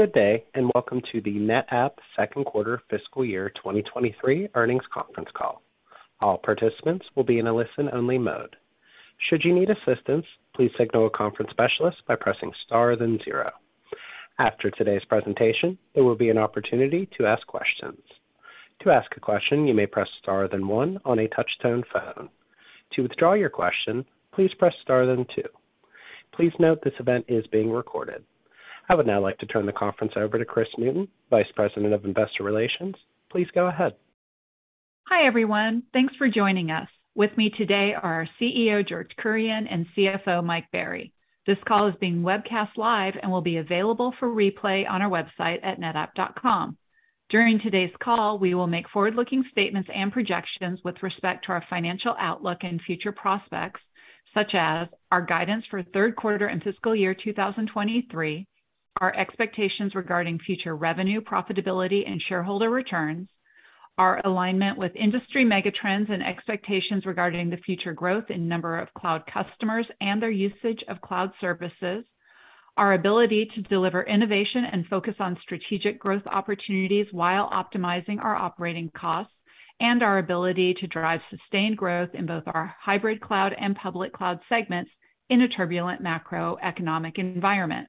Good day, welcome to the NetApp second quarter fiscal year 2023 earnings conference call. All participants will be in a listen-only mode. Should you need assistance, please signal a conference specialist by pressing star then zero. After today's presentation, there will be an opportunity to ask questions. To ask a question, you may press star then one on a touch-tone phone. To withdraw your question, please press star then two. Please note this event is being recorded. I would now like to turn the conference over to Kris Newton, Vice President of Investor Relations. Please go ahead. Hi, everyone. Thanks for joining us. With me today are our CEO, George Kurian, and CFO, Mike Berry. This call is being webcast live and will be available for replay on our website at netapp.com. During today's call, we will make forward-looking statements and projections with respect to our financial outlook and future prospects, such as our guidance for third quarter and fiscal year 2023, our expectations regarding future revenue, profitability and shareholder returns, our alignment with industry megatrends and expectations regarding the future growth in number of cloud customers and their usage of cloud services, our ability to deliver innovation and focus on strategic growth opportunities while optimizing our operating costs, and our ability to drive sustained growth in both our hybrid cloud and public cloud segments in a turbulent macroeconomic environment,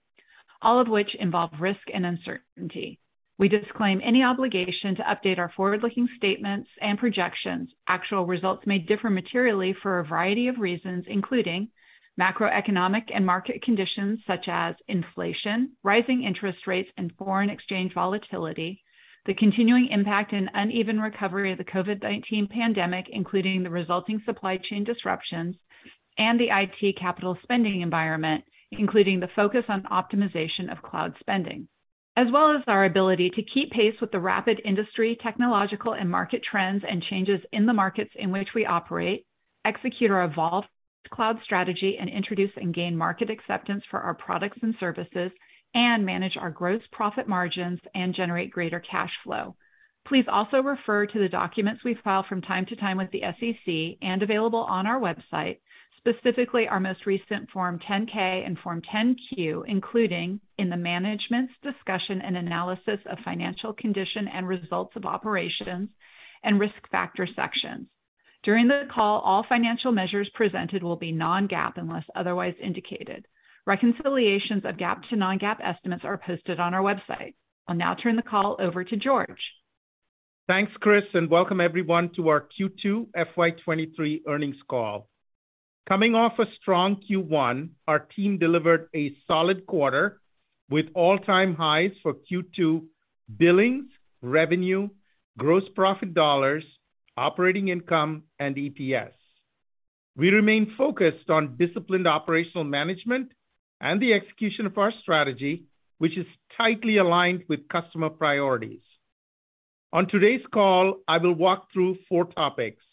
all of which involve risk and uncertainty. We disclaim any obligation to update our forward-looking statements and projections. Actual results may differ materially for a variety of reasons, including macroeconomic and market conditions such as inflation, rising interest rates and foreign exchange volatility, the continuing impact and uneven recovery of the COVID-19 pandemic, including the resulting supply chain disruptions and the IT capital spending environment, including the focus on optimization of cloud spending, as well as our ability to keep pace with the rapid industry, technological and market trends and changes in the markets in which we operate, execute our evolved cloud strategy, and introduce and gain market acceptance for our products and services, and manage our gross profit margins and generate greater cash flow. Please also refer to the documents we file from time to time with the SEC and available on our website, specifically our most recent Form 10-K and Form 10-Q, including in the management's discussion and analysis of financial condition and results of operations and risk factor sections. During the call, all financial measures presented will be non-GAAP unless otherwise indicated. Reconciliations of GAAP to non-GAAP estimates are posted on our website. I'll now turn the call over to George. Thanks, Kris, welcome everyone to our Q2 FY 2023 earnings call. Coming off a strong Q1, our team delivered a solid quarter with all-time highs for Q2 billings, revenue, gross profit dollars, operating income and EPS. We remain focused on disciplined operational management and the execution of our strategy, which is tightly aligned with customer priorities. On today's call, I will walk through four topics.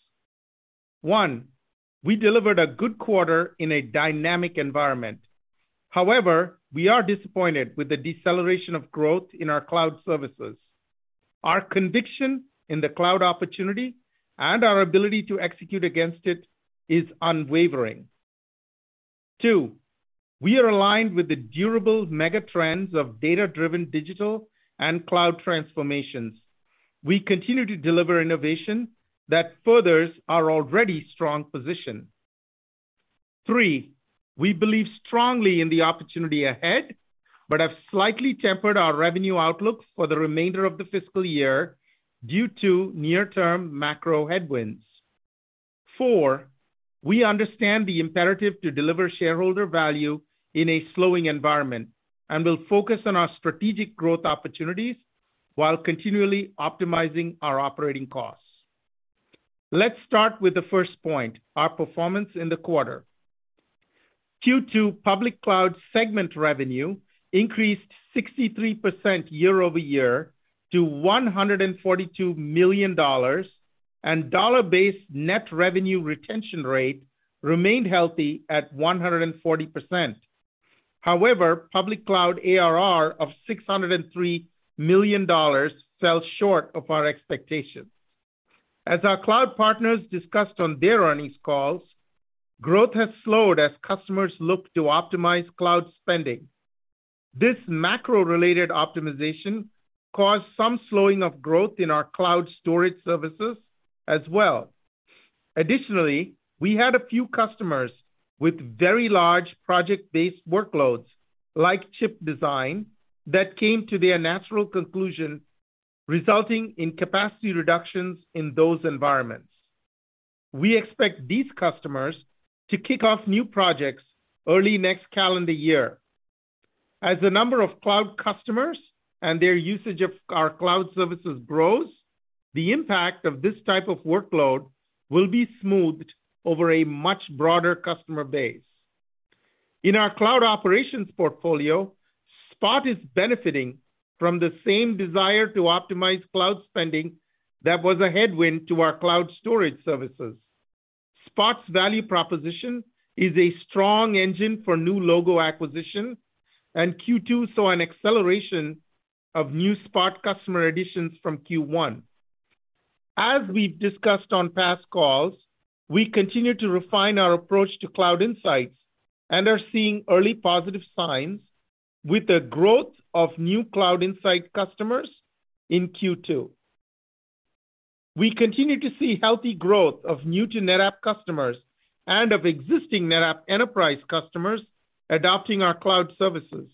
One, we delivered a good quarter in a dynamic environment. However, we are disappointed with the deceleration of growth in our cloud services. Our conviction in the cloud opportunity and our ability to execute against it is unwavering. Two, we are aligned with the durable megatrends of data-driven digital and cloud transformations. We continue to deliver innovation that furthers our already strong position. Three, we believe strongly in the opportunity ahead, but have slightly tempered our revenue outlook for the remainder of the fiscal year due to near-term macro headwinds. Four, we understand the imperative to deliver shareholder value in a slowing environment and will focus on our strategic growth opportunities while continually optimizing our operating costs. Let's start with the first point, our performance in the quarter. Q2 public cloud segment revenue increased 63% year-over-year to $142 million, and dollar-based net revenue retention rate remained healthy at 140%. However, public cloud ARR of $603 million fell short of our expectations. As our cloud partners discussed on their earnings calls, growth has slowed as customers look to optimize cloud spending. This macro-related optimization caused some slowing of growth in our cloud storage services as well. We had a few customers with very large project-based workloads, like chip design, that came to their natural conclusion, resulting in capacity reductions in those environments. We expect these customers to kick off new projects early next calendar year. As the number of cloud customers and their usage of our cloud services grows, the impact of this type of workload will be smoothed over a much broader customer base. In our cloud operations portfolio, Spot is benefiting from the same desire to optimize cloud spending that was a headwind to our cloud storage services. Spot's value proposition is a strong engine for new logo acquisition, and Q2 saw an acceleration of new Spot customer additions from Q1. As we discussed on past calls, we continue to refine our approach to Cloud Insights and are seeing early positive signs with the growth of new Cloud Insights customers in Q2. We continue to see healthy growth of new-to-NetApp customers and of existing NetApp enterprise customers adopting our cloud services.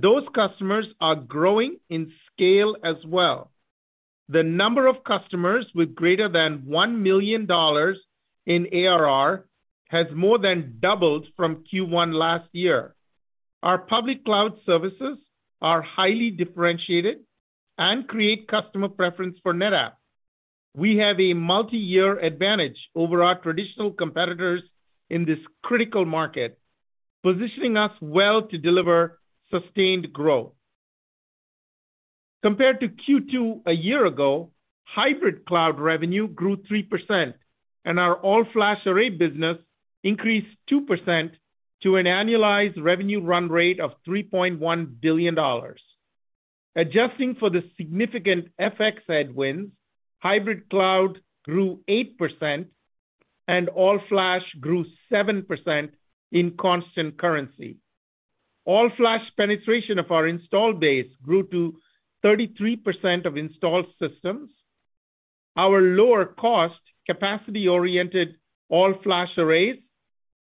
Those customers are growing in scale as well. The number of customers with greater than $1 million in ARR has more than doubled from Q1 last year. Our public cloud services are highly differentiated and create customer preference for NetApp. We have a multi-year advantage over our traditional competitors in this critical market, positioning us well to deliver sustained growth. Compared to Q2 a year ago, hybrid cloud revenue grew 3%. Our All Flash Array business increased 2% to an annualized revenue run rate of $3.1 billion. Adjusting for the significant FX headwinds, hybrid cloud grew 8% and All Flash grew 7% in constant currency. All Flash penetration of our installed base grew to 33% of installed systems.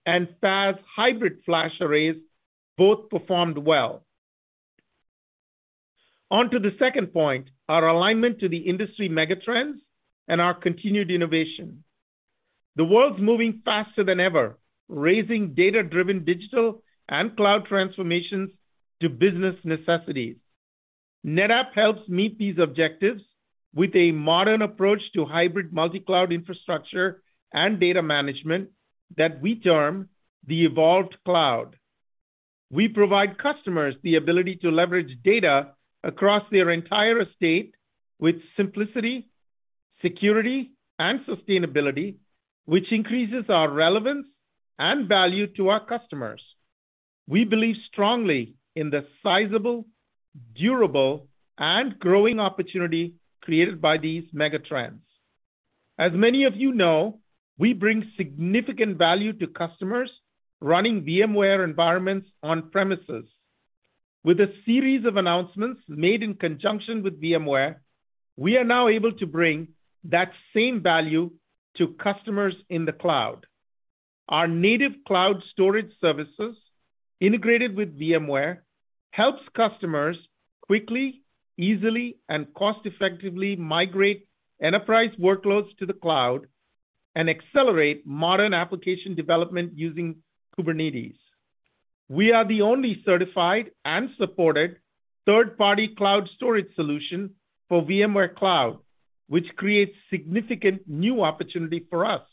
To the second point, our alignment to the industry megatrends and our continued innovation. The world's moving faster than ever, raising data-driven digital and cloud transformations to business necessities. NetApp helps meet these objectives with a modern approach to hybrid multicloud infrastructure and data management that we term the evolved cloud. We provide customers the ability to leverage data across their entire estate with simplicity, security, and sustainability, which increases our relevance and value to our customers. We believe strongly in the sizable, durable, and growing opportunity created by these megatrends. As many of you know, we bring significant value to customers running VMware environments on-premises. With a series of announcements made in conjunction with VMware, we are now able to bring that same value to customers in the cloud. Our native cloud storage services integrated with VMware helps customers quickly, easily, and cost-effectively migrate enterprise workloads to the cloud and accelerate modern application development using Kubernetes. We are the only certified and supported third-party cloud storage solution for VMware Cloud, which creates significant new opportunity for us.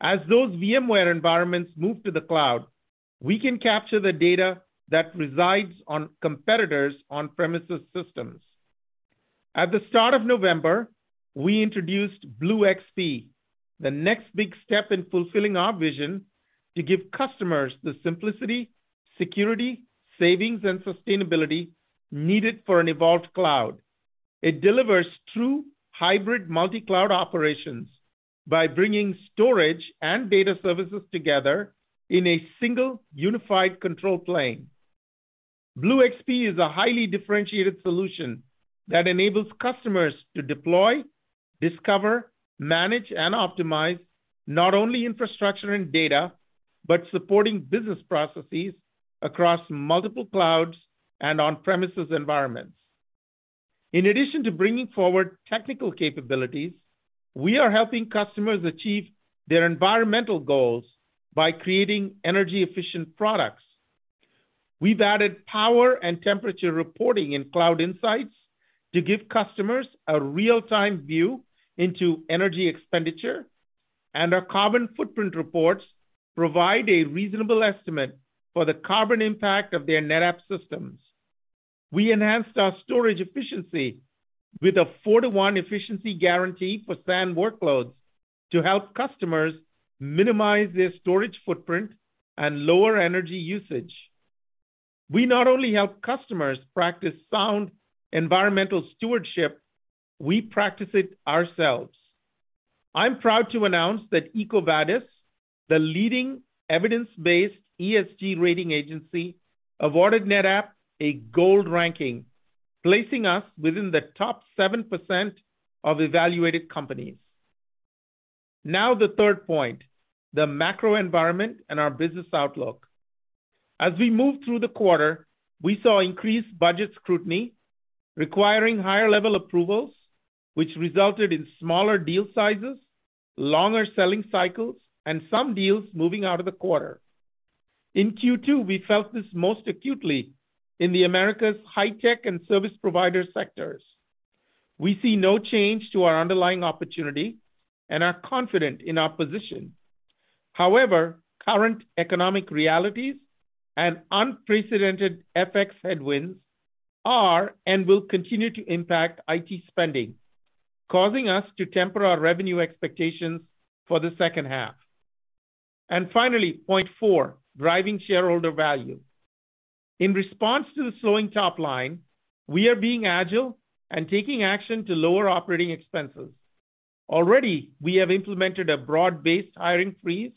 As those VMware environments move to the cloud, we can capture the data that resides on competitors' on-premises systems. At the start of November, we introduced BlueXP, the next big step in fulfilling our vision to give customers the simplicity, security, savings, and sustainability needed for an evolved cloud. It delivers true hybrid multi-cloud operations by bringing storage and data services together in a single unified control plane. BlueXP is a highly differentiated solution that enables customers to deploy, discover, manage, and optimize not only infrastructure and data, but supporting business processes across multiple clouds and on-premises environments. In addition to bringing forward technical capabilities, we are helping customers achieve their environmental goals by creating energy-efficient products. We've added power and temperature reporting in Cloud Insights to give customers a real-time view into energy expenditure. Our carbon footprint reports provide a reasonable estimate for the carbon impact of their NetApp systems. We enhanced our storage efficiency with a four-to-one efficiency guarantee for SAN workloads to help customers minimize their storage footprint and lower energy usage. We not only help customers practice sound environmental stewardship, we practice it ourselves. I'm proud to announce that EcoVadis, the leading evidence-based ESG rating agency, awarded NetApp a gold ranking, placing us within the top 7% of evaluated companies. The third point, the macro environment and our business outlook. As we moved through the quarter, we saw increased budget scrutiny requiring higher-level approvals, which resulted in smaller deal sizes, longer selling cycles, and some deals moving out of the quarter. In Q2, we felt this most acutely in the Americas high-tech and service provider sectors. We see no change to our underlying opportunity and are confident in our position. However, current economic realities and unprecedented FX headwinds are and will continue to impact IT spending, causing us to temper our revenue expectations for the second half. Finally, point four, driving shareholder value. In response to the slowing top line, we are being agile and taking action to lower operating expenses. Already, we have implemented a broad-based hiring freeze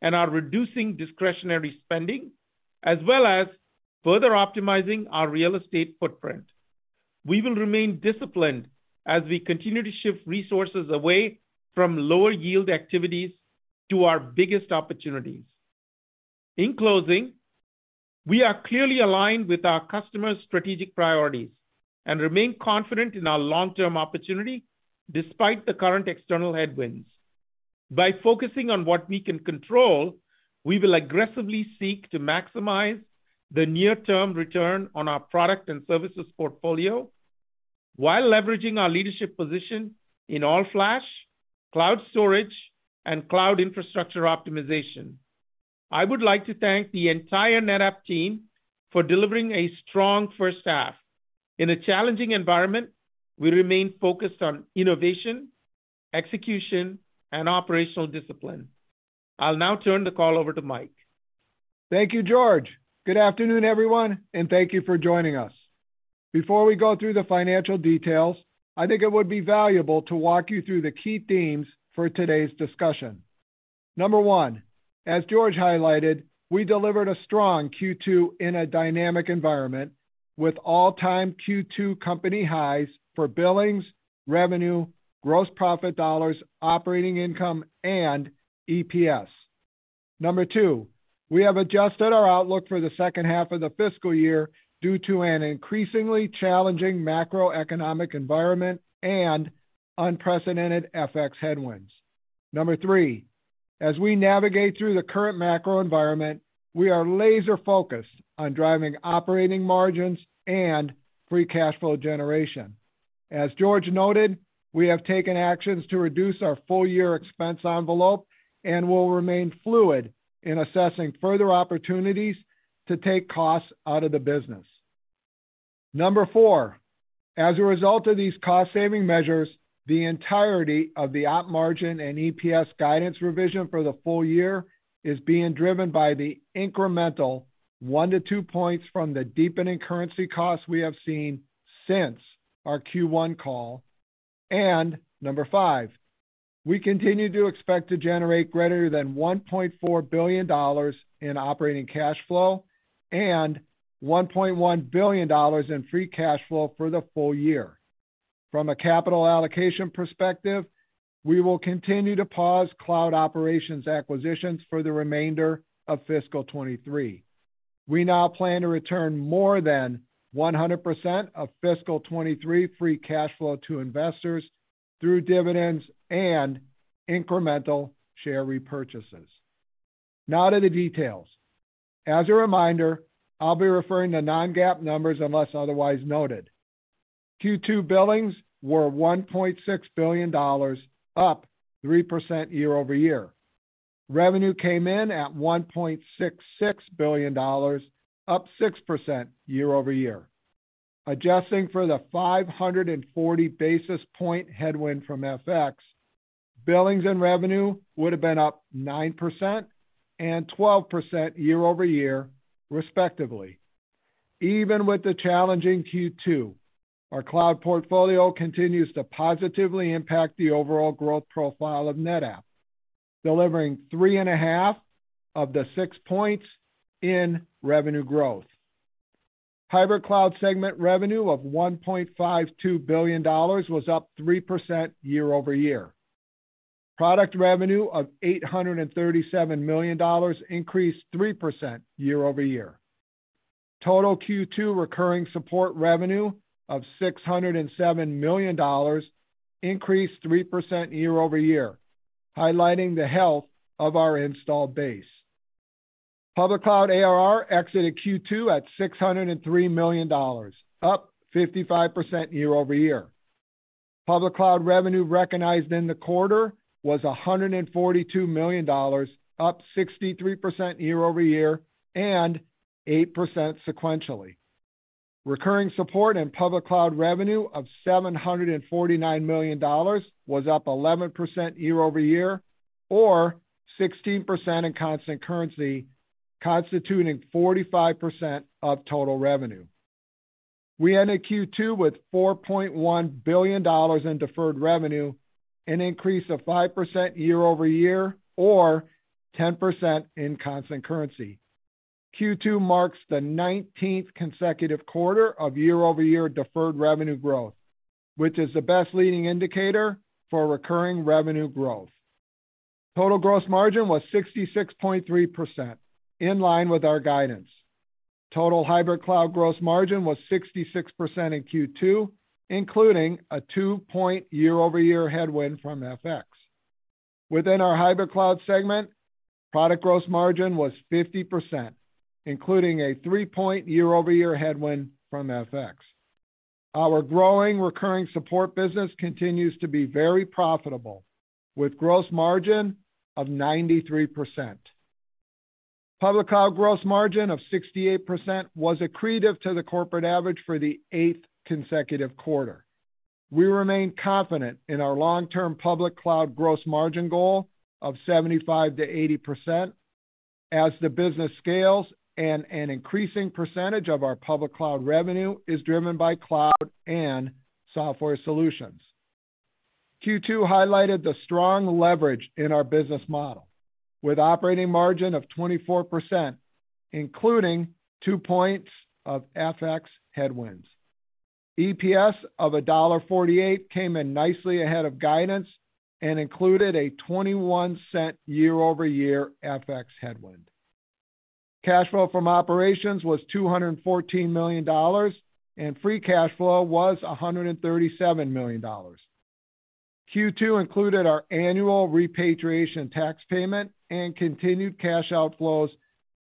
and are reducing discretionary spending, as well as further optimizing our real estate footprint. We will remain disciplined as we continue to shift resources away from lower yield activities to our biggest opportunities. In closing, we are clearly aligned with our customers' strategic priorities and remain confident in our long-term opportunity despite the current external headwinds. By focusing on what we can control, we will aggressively seek to maximize the near term return on our product and services portfolio while leveraging our leadership position in all-flash, cloud storage, and cloud infrastructure optimization. I would like to thank the entire NetApp team for delivering a strong first half. In a challenging environment, we remain focused on innovation, execution, and operational discipline. I'll now turn the call over to Mike. Thank you, George. Good afternoon, everyone, and thank you for joining us. Before we go through the financial details, I think it would be valuable to walk you through the key themes for today's discussion. Number one, as George highlighted, we delivered a strong Q2 in a dynamic environment with all-time Q2 company highs for billings, revenue, gross profit dollars, operating income, and EPS. Number two, we have adjusted our outlook for the second half of the fiscal year due to an increasingly challenging macroeconomic environment and unprecedented FX headwinds. Number three, as we navigate through the current macro environment, we are laser-focused on driving operating margins and free cash flow generation. As George noted, we have taken actions to reduce our full-year expense envelope and will remain fluid in assessing further opportunities to take costs out of the business. Number four, as a result of these cost-saving measures, the entirety of the op margin and EPS guidance revision for the full year is being driven by the incremental 1-2 points from the deepening currency cost we have seen since our Q1 call. Number five, we continue to expect to generate greater than $1.4 billion in operating cash flow and $1.1 billion in free cash flow for the full year. From a capital allocation perspective, we will continue to pause cloud operations acquisitions for the remainder of fiscal 2023. We now plan to return more than 100% of fiscal 2023 free cash flow to investors through dividends and incremental share repurchases. To the details. As a reminder, I'll be referring to non-GAAP numbers unless otherwise noted. Q2 billings were $1.6 billion, up 3% year-over-year. Revenue came in at $1.66 billion, up 6% year-over-year. Adjusting for the 540 basis point headwind from FX, billings and revenue would have been up 9% and 12% year-over-year, respectively. Even with the challenging Q2, our cloud portfolio continues to positively impact the overall growth profile of NetApp, delivering 3.5 of the 6 points in revenue growth. Hybrid cloud segment revenue of $1.52 billion was up 3% year-over-year. Product revenue of $837 million increased 3% year-over-year. Total Q2 recurring support revenue of $607 million increased 3% year-over-year, highlighting the health of our installed base. Public cloud ARR exited Q2 at $603 million, up 55% year-over-year. Public cloud revenue recognized in the quarter was $142 million, up 63% year-over-year and 8% sequentially. Recurring support and public cloud revenue of $749 million was up 11% year-over-year or 16% in constant currency, constituting 45% of total revenue. We ended Q2 with $4.1 billion in deferred revenue, an increase of 5% year-over-year or 10% in constant currency. Q2 marks the 19th consecutive quarter of year-over-year deferred revenue growth, which is the best leading indicator for recurring revenue growth. Total gross margin was 66.3% in line with our guidance. Total hybrid cloud gross margin was 66% in Q2, including a 2-point year-over-year headwind from FX. Within our hybrid cloud segment, product gross margin was 50%, including a 3-point year-over-year headwind from FX. Our growing recurring support business continues to be very profitable, with gross margin of 93%. Public cloud gross margin of 68% was accretive to the corporate average for the 8th consecutive quarter. We remain confident in our long-term public cloud gross margin goal of 75%-80% as the business scales and an increasing percentage of our public cloud revenue is driven by cloud and software solutions. Q2 highlighted the strong leverage in our business model with operating margin of 24%, including 2 points of FX headwinds. EPS of $1.48 came in nicely ahead of guidance and included a $0.21 year-over-year FX headwind. Cash flow from operations was $214 million, and free cash flow was $137 million. Q2 included our annual repatriation tax payment and continued cash outflows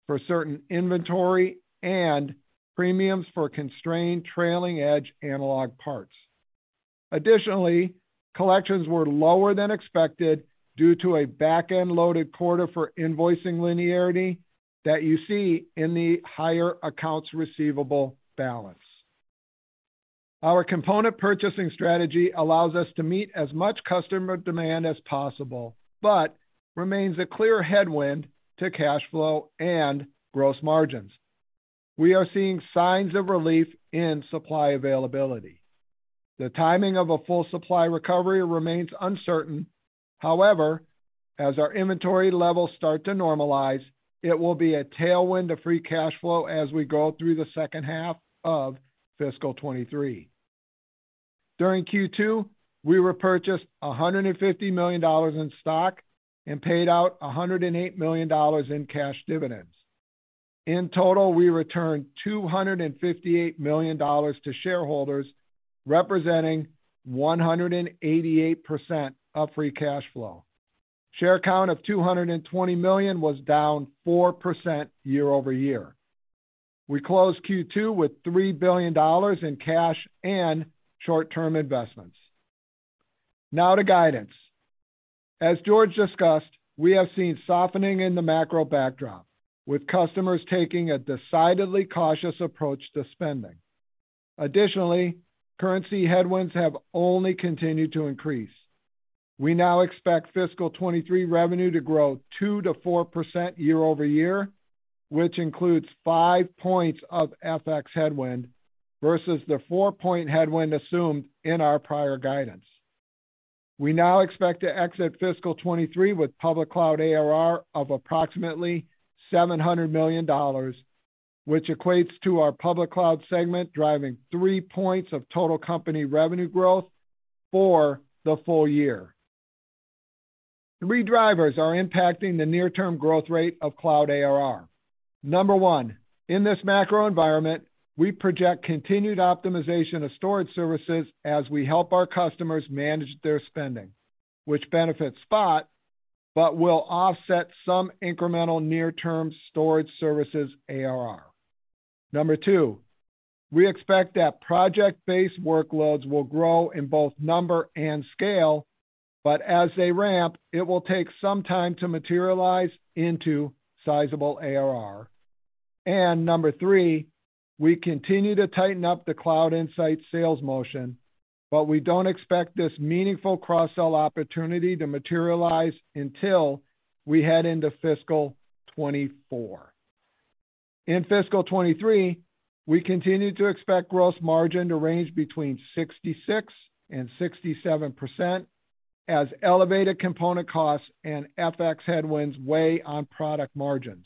for certain inventory and premiums for constrained trailing edge analog parts. Additionally, collections were lower than expected due to a back-end loaded quarter for invoicing linearity that you see in the higher accounts receivable balance. Our component purchasing strategy allows us to meet as much customer demand as possible, but remains a clear headwind to cash flow and gross margins. We are seeing signs of relief in supply availability. The timing of a full supply recovery remains uncertain. However, as our inventory levels start to normalize, it will be a tailwind to free cash flow as we go through the second half of fiscal 2023. During Q2, we repurchased $150 million in stock and paid out $108 million in cash dividends. In total, we returned $258 million to shareholders, representing 188% of free cash flow. Share count of 220 million was down 4% year-over-year. We closed Q2 with $3 billion in cash and short-term investments. Now to guidance. As George discussed, we have seen softening in the macro backdrop, with customers taking a decidedly cautious approach to spending. Additionally, currency headwinds have only continued to increase. We now expect fiscal 2023 revenue to grow 2%-4% year-over-year, which includes 5 points of FX headwind versus the 4-point headwind assumed in our prior guidance. We now expect to exit fiscal 23 with public cloud ARR of approximately $700 million, which equates to our public cloud segment driving 3 points of total company revenue growth for the full year. Three drivers are impacting the near term growth rate of cloud ARR. Number one, in this macro environment, we project continued optimization of storage services as we help our customers manage their spending, which benefits Spot, but will offset some incremental near term storage services ARR. Number two, we expect that project-based workloads will grow in both number and scale, but as they ramp, it will take some time to materialize into sizable ARR. Number three, we continue to tighten up the Cloud Insights sales motion, but we don't expect this meaningful cross-sell opportunity to materialize until we head into fiscal 2024. In fiscal 2023, we continue to expect gross margin to range between 66%-67% as elevated component costs and FX headwinds weigh on product margins.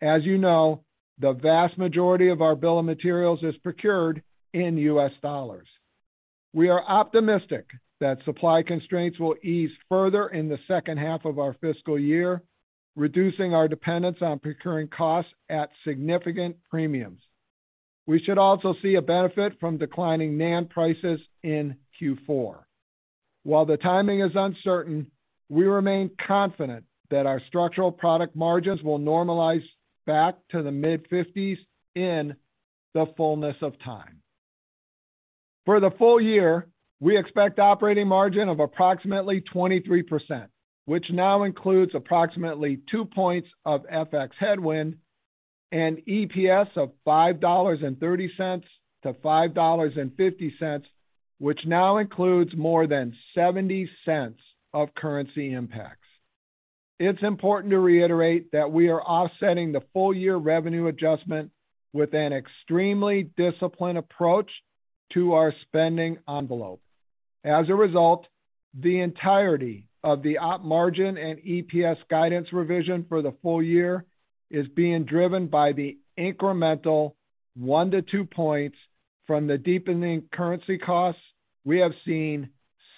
As you know, the vast majority of our bill of materials is procured in U.S. dollars. We are optimistic that supply constraints will ease further in the second half of our fiscal year, reducing our dependence on procuring costs at significant premiums. We should also see a benefit from declining NAND prices in Q4. While the timing is uncertain, we remain confident that our structural product margins will normalize back to the mid-50s in the fullness of time. For the full year, we expect operating margin of approximately 23%, which now includes approximately 2 points of FX headwind and EPS of $5.30-$5.50, which now includes more than $0.70 of currency impacts. It's important to reiterate that we are offsetting the full year revenue adjustment with an extremely disciplined approach to our spending envelope. As a result, the entirety of the op margin and EPS guidance revision for the full year is being driven by the incremental 1-2 points from the deepening currency costs we have seen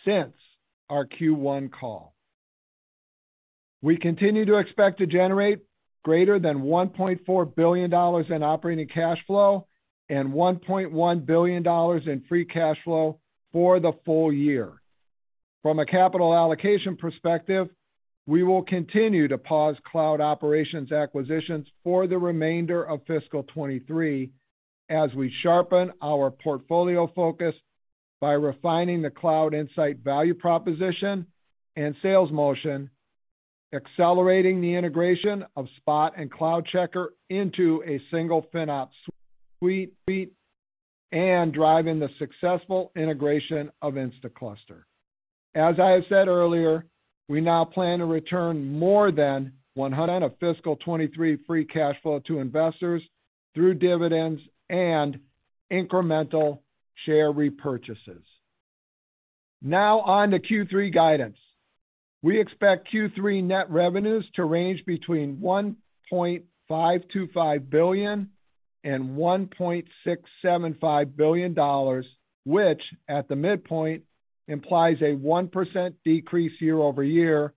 since our Q1 call. We continue to expect to generate greater than $1.4 billion in operating cash flow and $1.1 billion in free cash flow for the full year. From a capital allocation perspective, we will continue to pause cloud operations acquisitions for the remainder of fiscal 2023 as we sharpen our portfolio focus by refining the Cloud Insights value proposition Sales motion, accelerating the integration of Spot and CloudCheckr into a single FinOps suite, and driving the successful integration of Instaclustr. As I have said earlier, we now plan to return more than $100 of fiscal 2023 free cash flow to investors through dividends and incremental share repurchases. On to Q3 guidance. We expect Q3 net revenues to range between $1.525 billion and $1.675 billion, which at the midpoint implies a 1% decrease year-over-year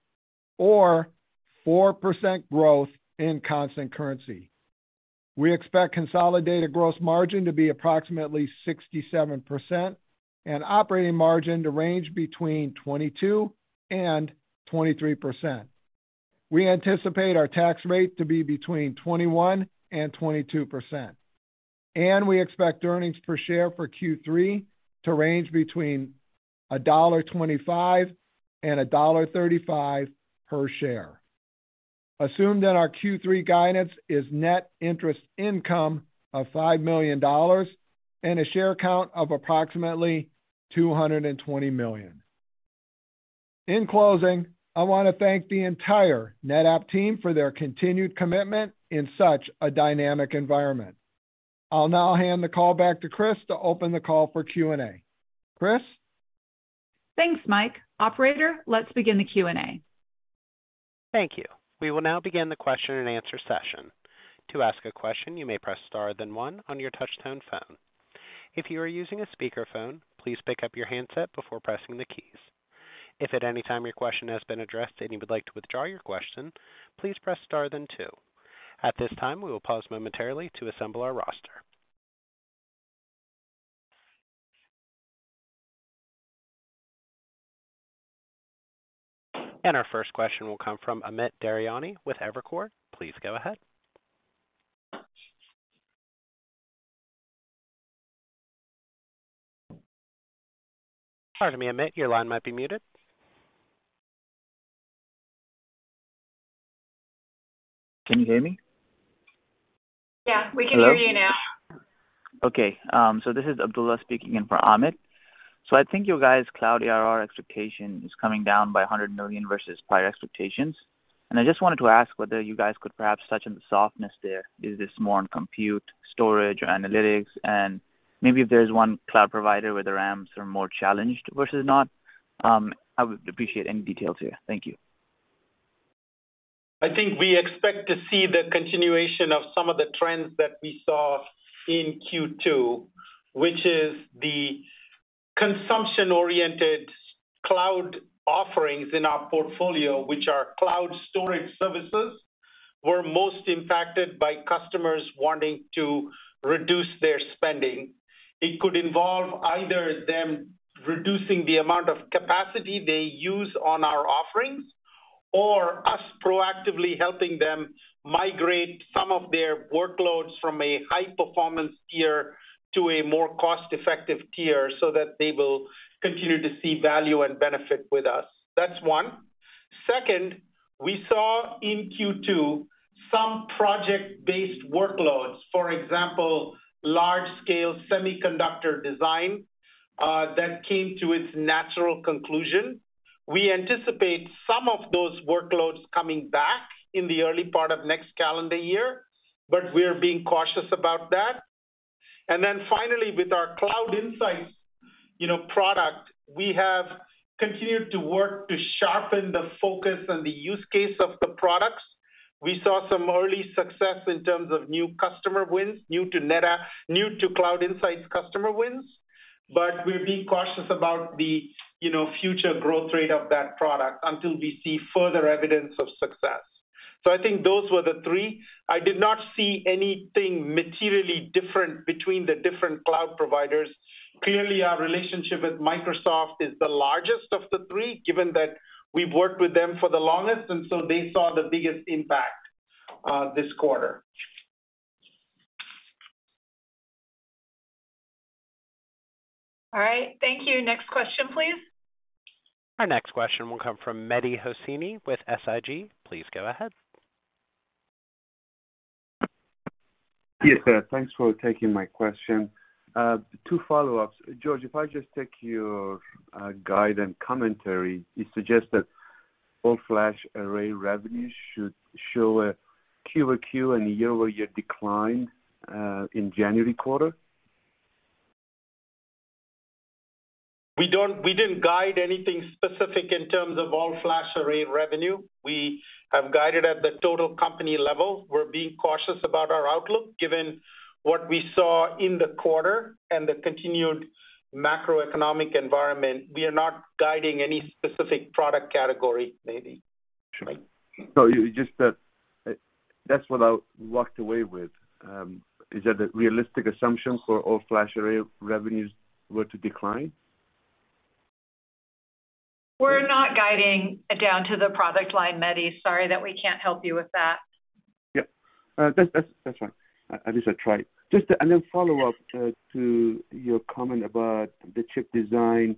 or 4% growth in constant currency. We expect consolidated gross margin to be approximately 67% and operating margin to range between 22% and 23%. We anticipate our tax rate to be between 21% and 22%, and we expect earnings per share for Q3 to range between $1.25 and $1.35 per share. Assume that our Q3 guidance is net interest income of $5 million and a share count of approximately 220 million. In closing, I want to thank the entire NetApp team for their continued commitment in such a dynamic environment. I'll now hand the call back to Kris to open the call for Q&A. Kris? Thanks, Mike. Operator, let's begin the Q&A. Thank you. We will now begin the question-and-answer session. To ask a question, you may press star then one on your touch tone phone. If you are using a speakerphone, please pick up your handset before pressing the keys. If at any time your question has been addressed and you would like to withdraw your question, please press star then two. At this time, we will pause momentarily to assemble our roster. Our first question will come from Amit Daryanani with Evercore. Please go ahead. Pardon me, Amit, your line might be muted. Can you hear me? Yeah, we can hear you now. Hello? Okay, this is Abdullah speaking in for Amit. I think you guys cloud ARR expectation is coming down by $100 million versus prior expectations. I just wanted to ask whether you guys could perhaps touch on the softness there. Is this more on compute, storage, or analytics? Maybe if there's one cloud provider where the RAMs are more challenged versus not. I would appreciate any details here. Thank you. I think we expect to see the continuation of some of the trends that we saw in Q2, which is the consumption-oriented cloud offerings in our portfolio, which are cloud storage services, were most impacted by customers wanting to reduce their spending. It could involve either them reducing the amount of capacity they use on our offerings or us proactively helping them migrate some of their workloads from a high-performance tier to a more cost-effective tier so that they will continue to see value and benefit with us. That's one. Second, we saw in Q2 some project-based workloads, for example, large-scale semiconductor design, that came to its natural conclusion. We anticipate some of those workloads coming back in the early part of next calendar year, we're being cautious about that. Finally, with our Cloud Insights, you know, product, we have continued to work to sharpen the focus and the use case of the products. We saw some early success in terms of new customer wins, new to Cloud Insights customer wins. We're being cautious about the, you know, future growth rate of that product until we see further evidence of success. I think those were the three. I did not see anything materially different between the different cloud providers. Clearly, our relationship with Microsoft is the largest of the three, given that we've worked with them for the longest, they saw the biggest impact this quarter. All right. Thank you. Next question, please. Our next question will come from Mehdi Hosseini with SIG. Please go ahead. Yes, thanks for taking my question. Two follow-ups. George, if I just take your guide and commentary, you suggest that all-flash array revenues should show a quarter-over-quarter and year-over-year decline in January quarter? We didn't guide anything specific in terms of all-flash array revenue. We have guided at the total company level. We're being cautious about our outlook given what we saw in the quarter and the continued macroeconomic environment. We are not guiding any specific product category, Mehdi. Sure. It's just that's what I walked away with. Is that a realistic assumption for all-flash array revenues were to decline? We're not guiding down to the product line, Mehdi. Sorry that we can't help you with that. Yeah. That's, that's fine. At least I tried. Just and then follow-up to your comment about the chip design.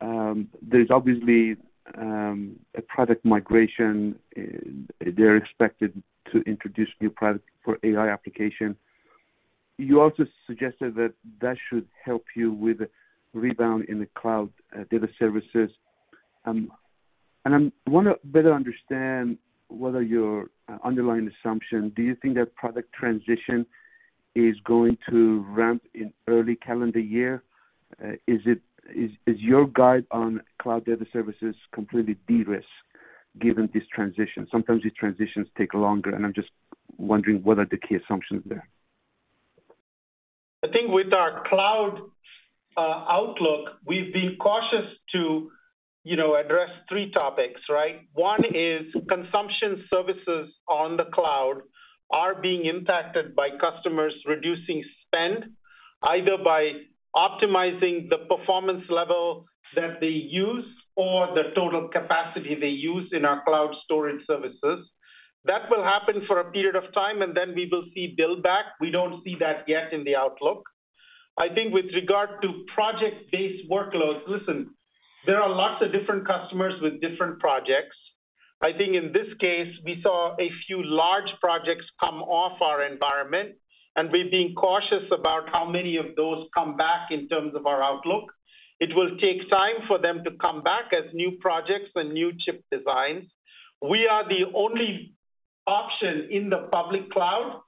There's obviously a product migration. They're expected to introduce new products for AI application. You also suggested that that should help you with rebound in the cloud data services. I wanna better understand what are your underlying assumption. Do you think that product transition is going to ramp in early calendar year? Is your guide on cloud data services completely de-risked given this transition? Sometimes these transitions take longer, and I'm just wondering what are the key assumptions there. I think with our cloud outlook, we've been cautious to, you know, address three topics, right? One is consumption services on the cloud are being impacted by customers reducing spend, either by optimizing the performance level that they use or the total capacity they use in our cloud storage services. Then we will see buildback. We don't see that yet in the outlook. I think with regard to project-based workloads, listen, there are lots of different customers with different projects. I think in this case, we saw a few large projects come off our environment. We're being cautious about how many of those come back in terms of our outlook. It will take time for them to come back as new projects and new chip designs. We are the only option in the public cloud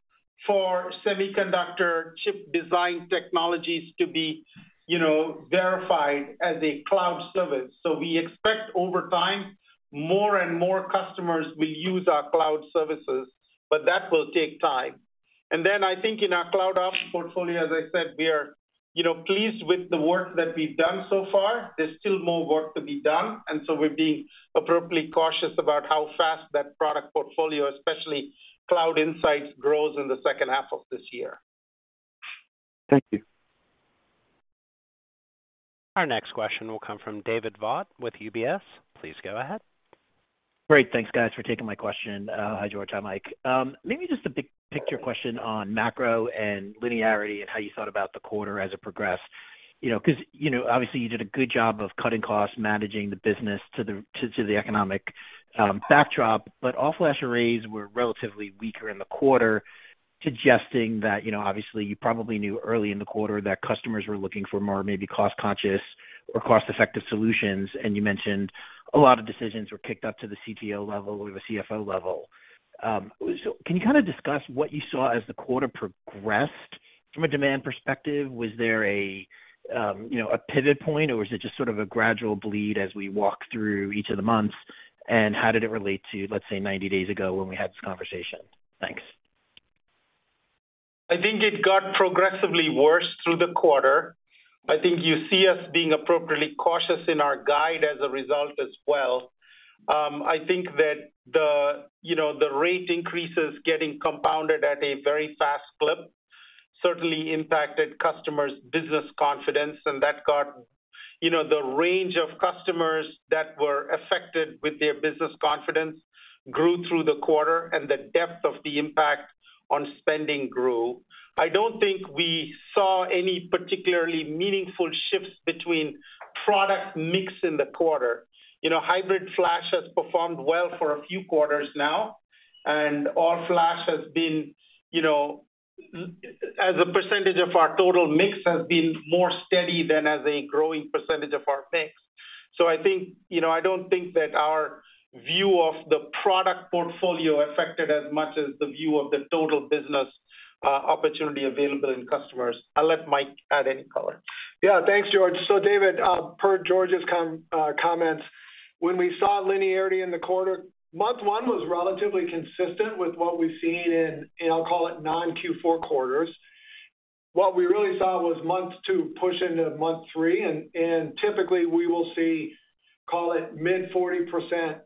for semiconductor chip design technologies to be, you know, verified as a cloud service. We expect over time, more and more customers will use our cloud services, but that will take time. I think in our CloudOps portfolio, as I said, we are, you know, pleased with the work that we've done so far. There's still more work to be done, and so we're being appropriately cautious about how fast that product portfolio, especially Cloud Insights, grows in the second half of this year. Thank you. Our next question will come from David Vogt with UBS. Please go ahead. Great. Thanks, guys, for taking my question. Hi, George. Hi, Mike. Maybe just a big picture question on macro and linearity and how you thought about the quarter as it progressed. You know, 'cause, you know, obviously you did a good job of cutting costs, managing the business to the economic backdrop. All-flash arrays were relatively weaker in the quarter, suggesting that, you know, obviously you probably knew early in the quarter that customers were looking for more maybe cost-conscious or cost-effective solutions. You mentioned a lot of decisions were kicked up to the CTO level or the CFO level. Can you kinda discuss what you saw as the quarter progressed from a demand perspective? Was there a, you know, a pivot point, or was it just sort of a gradual bleed as we walk through each of the months? How did it relate to, let's say, 90 days ago when we had this conversation? Thanks. I think it got progressively worse through the quarter. I think you see us being appropriately cautious in our guide as a result as well. I think that the, you know, the rate increases getting compounded at a very fast clip certainly impacted customers' business confidence, and that got, you know, the range of customers that were affected with their business confidence grew through the quarter and the depth of the impact on spending grew. I don't think we saw any particularly meaningful shifts between product mix in the quarter. You know, hybrid-flash has performed well for a few quarters now, and all-flash has been, you know, as a percentage of our total mix, has been more steady than as a growing percentage of our mix. I think... You know, I don't think that our view of the product portfolio affected as much as the view of the total business, opportunity available in customers. I'll let Mike add any color. Yeah. Thanks, George. David, per George's comments, when we saw linearity in the quarter, month one was relatively consistent with what we've seen in I'll call it non-Q4 quarters. What we really saw was month two push into month three, and typically we will see, call it mid 40%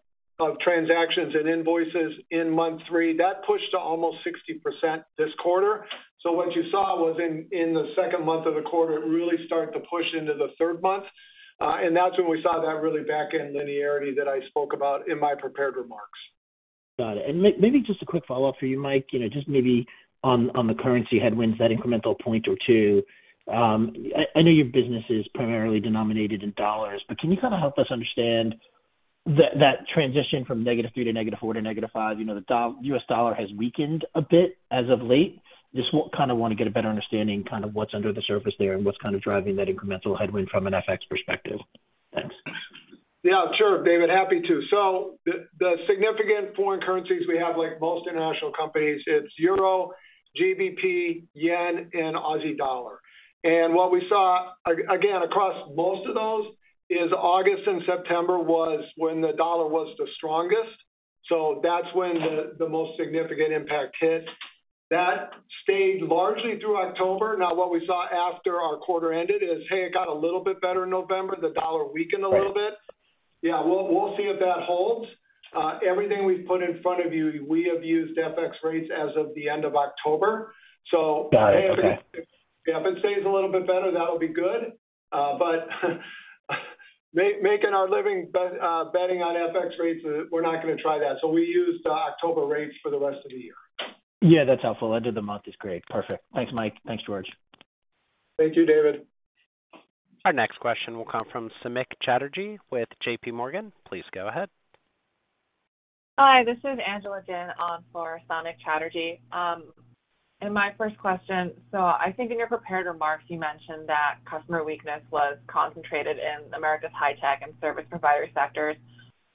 of transactions and invoices in month three. That pushed to almost 60% this quarter. What you saw was in the second month of the quarter, it really started to push into the third month, and that's when we saw that really backend linearity that I spoke about in my prepared remarks. Got it. Maybe just a quick follow-up for you, Mike, you know, just maybe on the currency headwinds, that incremental one or two. I know your business is primarily denominated in dollars, but can you kinda help us understand that transition from -3 to -4 to -5? You know, the U.S. dollar has weakened a bit as of late. Just kinda wanna get a better understanding kind of what's under the surface there and what's kind of driving that incremental headwind from an FX perspective. Thanks. Yeah, sure, David. Happy to. The significant foreign currencies we have, like most international companies, it's Euro, GBP, Yen and Aussie dollar. What we saw again, across most of those is August and September was when the dollar was the strongest. That's when the most significant impact hit. That stayed largely through October. What we saw after our quarter ended is, hey, it got a little bit better in November. The dollar weakened a little bit. Right. Yeah, we'll see if that holds. Everything we've put in front of you, we have used FX rates as of the end of October. Got it. Okay. Yeah, if it stays a little bit better, that would be good. Making our living betting on FX rates, we're not gonna try that. We use the October rates for the rest of the year. Yeah, that's helpful. End of the month is great. Perfect. Thanks, Mike. Thanks, George. Thank you, David. Our next question will come from Samik Chatterjee with JP Morgan. Please go ahead. Hi, this is Angela Jin on for Samik Chatterjee. My first question, I think in your prepared remarks, you mentioned that customer weakness was concentrated in America's high-tech and service provider sectors.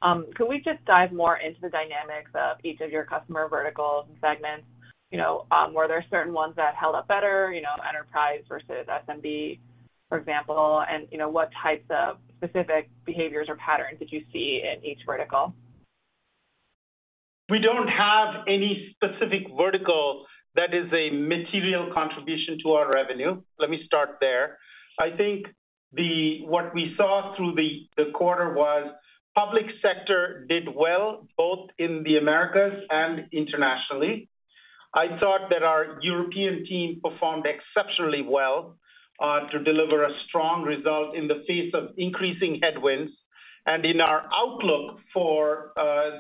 Could we just dive more into the dynamics of each of your customer verticals and segments? You know, were there certain ones that held up better, you know, enterprise versus SMB, for example, and you know, what types of specific behaviors or patterns did you see in each vertical? We don't have any specific vertical that is a material contribution to our revenue. Let me start there. I think what we saw through the quarter was public sector did well, both in the Americas and internationally. I thought that our European team performed exceptionally well to deliver a strong result in the face of increasing headwinds. In our outlook for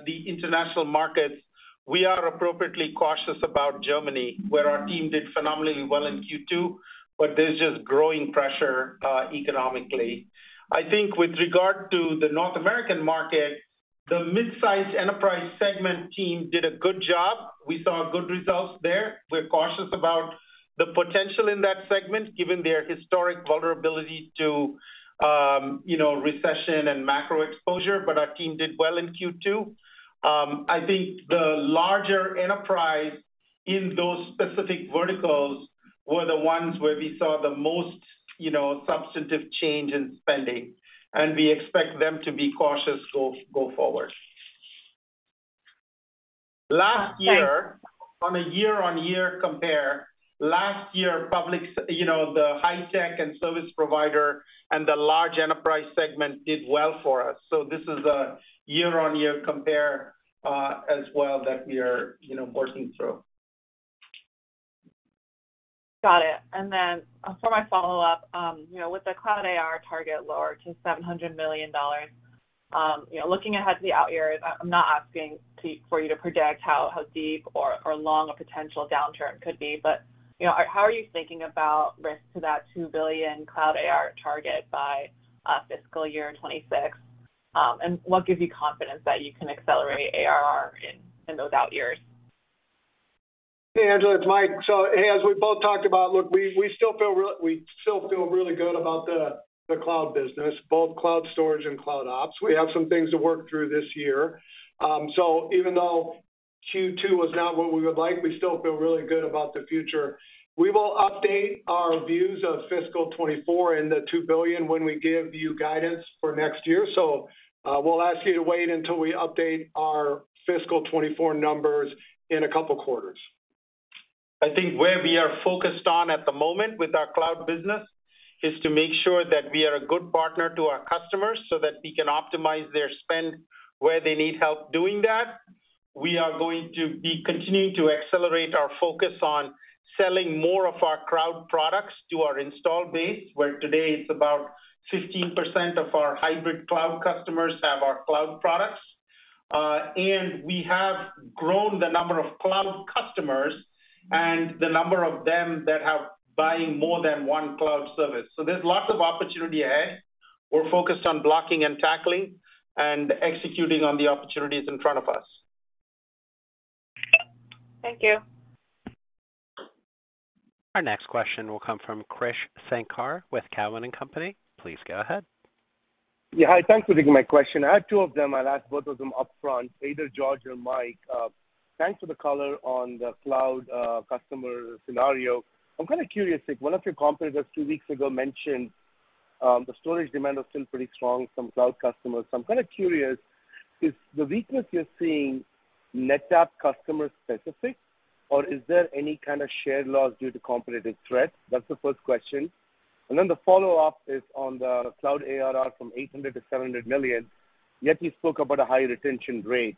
the international markets, we are appropriately cautious about Germany, where our team did phenomenally well in Q2, but there's just growing pressure economically. I think with regard to the North American market, the midsize enterprise segment team did a good job. We saw good results there. We're cautious about the potential in that segment, given their historic vulnerability to, you know, recession and macro exposure, but our team did well in Q2. I think the larger enterprise in those specific verticals were the ones where we saw the most, you know, substantive change in spending, and we expect them to be cautious go forward. Last year, on a year-on-year compare, last year, you know, the high-tech and service provider and the large enterprise segment did well for us. This is a year-on-year compare as well that we are, you know, working through. Got it. For my follow-up, you know, with the cloud ARR target lower to $700 million, you know, looking ahead to the out years, I'm not asking for you to project how deep or long a potential downturn could be, but, you know, how are you thinking about risk to that $2 billion cloud ARR target by fiscal year 2026? What gives you confidence that you can accelerate ARR in those out years? Hey, Angela, it's Mike. Hey, as we both talked about, look, we still feel really good about the cloud business, both cloud storage and cloud ops. We have some things to work through this year. Even though Q2 was not what we would like, we still feel really good about the future. We will update our views of fiscal 2024 and the $2 billion when we give you guidance for next year. We'll ask you to wait until we update our fiscal 2024 numbers in a couple quarters. I think where we are focused on at the moment with our cloud business is to make sure that we are a good partner to our customers so that we can optimize their spend where they need help doing that. We are going to be continuing to accelerate our focus on selling more of our cloud products to our install base, where today it's about 15% of our hybrid cloud customers have our cloud products. And we have grown the number of cloud customers and the number of them that have buying more than one cloud service. There's lots of opportunity ahead. We're focused on blocking and tackling and executing on the opportunities in front of us. Thank you. Our next question will come from Krish Sankar with Cowen and Company. Please go ahead. Yeah. Hi, thanks for taking my question. I have two of them. I'll ask both of them up front, either George or Mike. Thanks for the color on the cloud, customer scenario. I'm kind of curious, like one of your competitors 2 weeks ago mentioned, the storage demand was still pretty strong from cloud customers. I'm kind of curious, is the weakness you're seeing NetApp customer specific, or is there any kind of shared loss due to competitive threats? That's the first question. The follow-up is on the cloud ARR from $800 million-$700 million, yet you spoke about a high retention rate.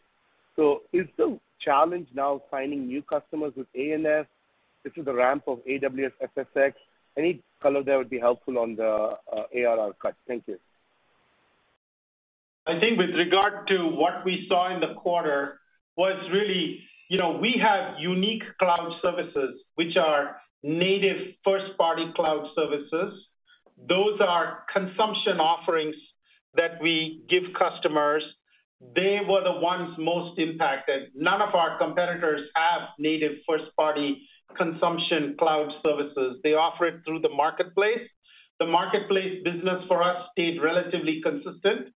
Is the challenge now finding new customers with ANS due to the ramp of AWS FSx? Any color there would be helpful on the ARR cut. Thank you. I think with regard to what we saw in the quarter was really, you know, we have unique cloud services which are native first party cloud services. Those are consumption offerings that we give customers. They were the ones most impacted. None of our competitors have native first party consumption cloud services. They offer it through the marketplace. The marketplace business for us stayed relatively consistent.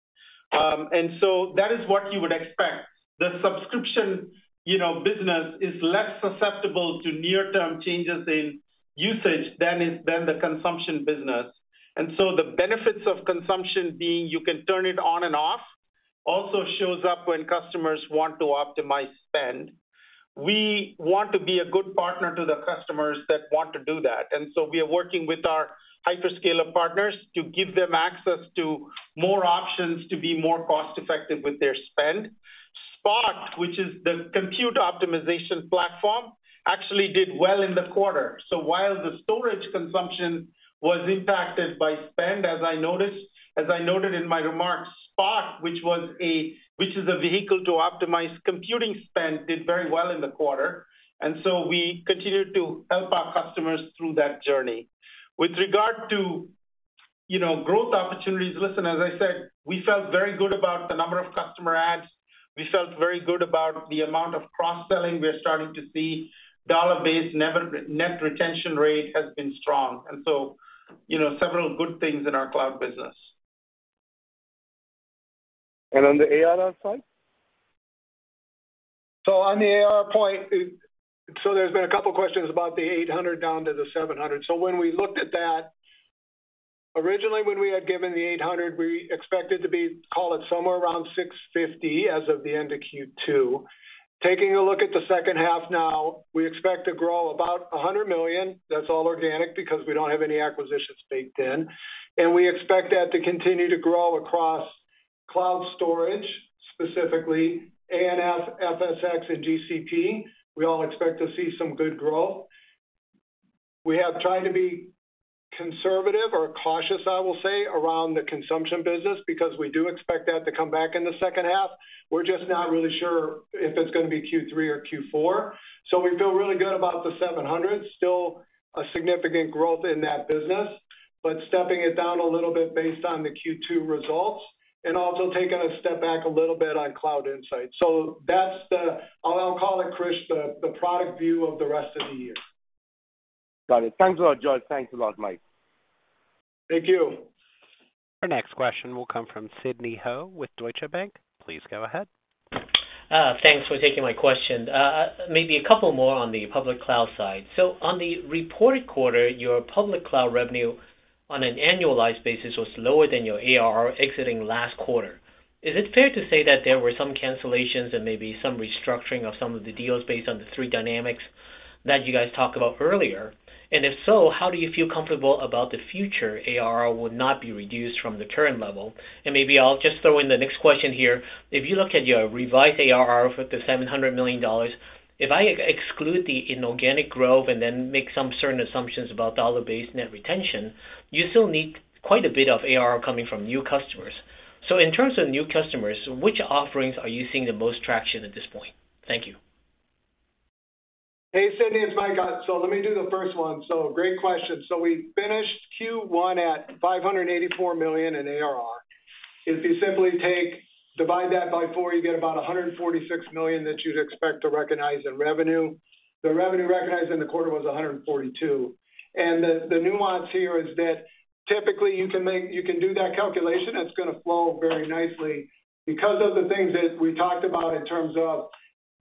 That is what you would expect. The subscription, you know, business is less susceptible to near-term changes in usage than the consumption business. The benefits of consumption being you can turn it on and off also shows up when customers want to optimize spend. We want to be a good partner to the customers that want to do that. We are working with our hyperscaler partners to give them access to more options to be more cost effective with their spend. Spot, which is the compute optimization platform, actually did well in the quarter. While the storage consumption was impacted by spend, as I noted in my remarks, Spot, which is a vehicle to optimize computing spend, did very well in the quarter, we continued to help our customers through that journey. With regard to, you know, growth opportunities, listen, as I said, we felt very good about the number of customer adds. We felt very good about the amount of cross-selling we are starting to see. Dollar-based net retention rate has been strong. You know, several good things in our cloud business. On the ARR side? On the ARR point, there's been a couple questions about the $800 million down to the $700 million. When we looked at that, originally when we had given the $800 million, we expected to be, call it somewhere around $650 million as of the end of Q2. Taking a look at the second half now, we expect to grow about $100 million. That's all organic because we don't have any acquisitions baked in. We expect that to continue to grow across cloud storage, specifically ANF, FSx and GCP. We all expect to see some good growth. We have tried to be conservative or cautious, I will say, around the consumption business because we do expect that to come back in the second half. We're just not really sure if it's gonna be Q3 or Q4. We feel really good about the $700 million. Still a significant growth in that business, but stepping it down a little bit based on the Q2 results and also taking a step back a little bit on Cloud Insight. I'll call it, Krish, the product view of the rest of the year. Got it. Thanks a lot, George. Thanks a lot, Mike. Thank you. Our next question will come from Sidney Ho with Deutsche Bank. Please go ahead. Thanks for taking my question. Maybe a couple more on the public cloud side. On the reported quarter, your public cloud revenue on an annualized basis was lower than your ARR exiting last quarter. Is it fair to say that there were some cancellations and maybe some restructuring of some of the deals based on the three dynamics that you guys talked about earlier? If so, how do you feel comfortable about the future ARR will not be reduced from the current level? Maybe I'll just throw in the next question here. If you look at your revised ARR for the $700 million, if I e-exclude the inorganic growth and then make some certain assumptions about dollar-based net retention, you still need quite a bit of ARR coming from new customers. In terms of new customers, which offerings are you seeing the most traction at this point? Thank you. Hey, Sidney, it's Mike Gott. Let me do the first one. Great question. We finished Q1 at $584 million in ARR. If you simply take, divide that by four, you get about $146 million that you'd expect to recognize in revenue. The revenue recognized in the quarter was $142. The nuance here is that typically you can do that calculation. It's gonna flow very nicely. Because of the things that we talked about in terms of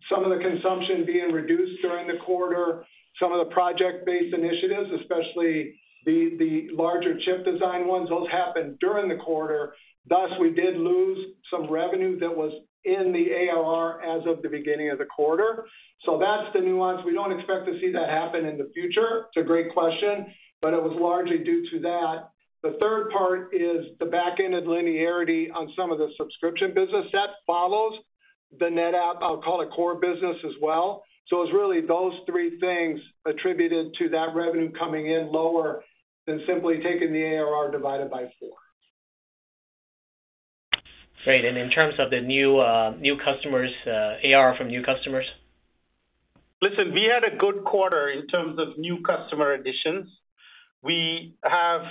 some of the consumption being reduced during the quarter, some of the project-based initiatives, especially the larger chip design ones, those happened during the quarter, thus we did lose some revenue that was in the ARR as of the beginning of the quarter. That's the nuance. We don't expect to see that happen in the future. It's a great question, but it was largely due to that. The third part is the back end of linearity on some of the subscription business that follows the NetApp, I'll call it core business as well. It's really those three things attributed to that revenue coming in lower than simply taking the ARR divided by four. Great. In terms of the new customers, ARR from new customers? Listen, we had a good quarter in terms of new customer additions. We have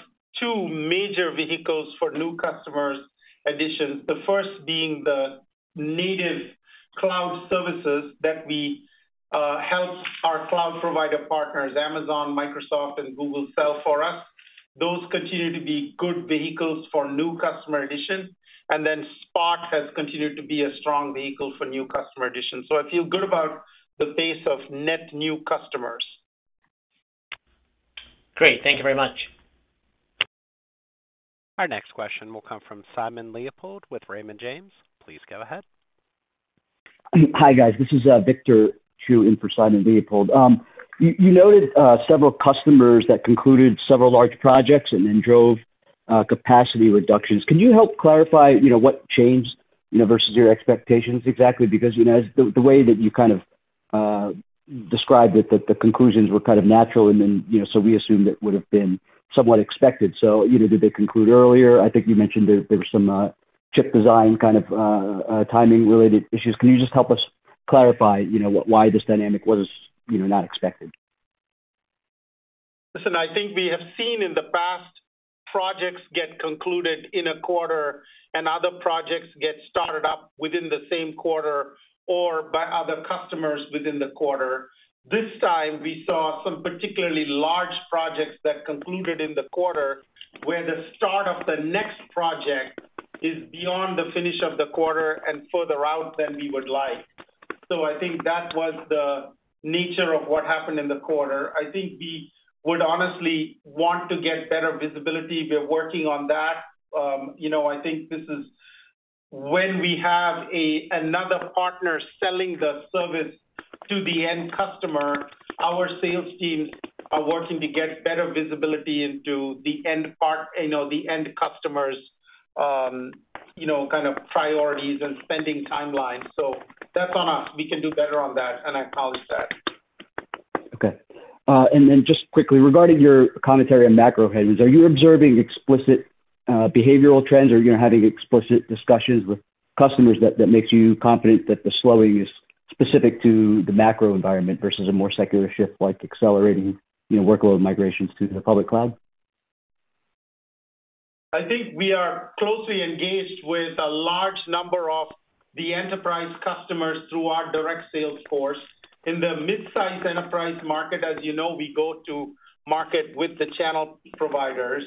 two major vehicles for new customers additions. The first being the native cloud services that we help our cloud provider partners, Amazon, Microsoft, and Google sell for us. Those continue to be good vehicles for new customer additions. Spot has continued to be a strong vehicle for new customer additions. I feel good about the pace of net new customers. Great. Thank you very much. Our next question will come from Simon Leopold with Raymond James. Please go ahead. Hi, guys. This is Victor Xu in for Simon Leopold. You noted several customers that concluded several large projects and then drove capacity reductions. Can you help clarify, you know, what changed, you know, versus your expectations exactly? The way that you kind of described it, that the conclusions were kind of natural and then, you know, so we assumed it would have been somewhat expected. Did they conclude earlier? I think you mentioned there were some chip design kind of timing related issues. Can you just help us clarify, you know, why this dynamic was, you know, not expected? Listen, I think we have seen in the past projects get concluded in a quarter and other projects get started up within the same quarter or by other customers within the quarter. This time we saw some particularly large projects that concluded in the quarter, where the start of the next project is beyond the finish of the quarter and further out than we would like. I think that was the nature of what happened in the quarter. I think we would honestly want to get better visibility. We're working on that. you know, I think this is when we have another partner selling the service to the end customer, our sales teams are working to get better visibility into the end part, you know, the end customers', you know, kind of priorities and spending timelines. That's on us. We can do better on that, and I acknowledge that. Okay. Just quickly, regarding your commentary on macro hedges, are you observing explicit behavioral trends? Are you having explicit discussions with customers that makes you confident that the slowing is specific to the macro environment versus a more secular shift like accelerating, you know, workload migrations to the public cloud? I think we are closely engaged with a large number of the enterprise customers through our direct sales force. In the mid-size enterprise market, as you know, we go to market with the channel providers.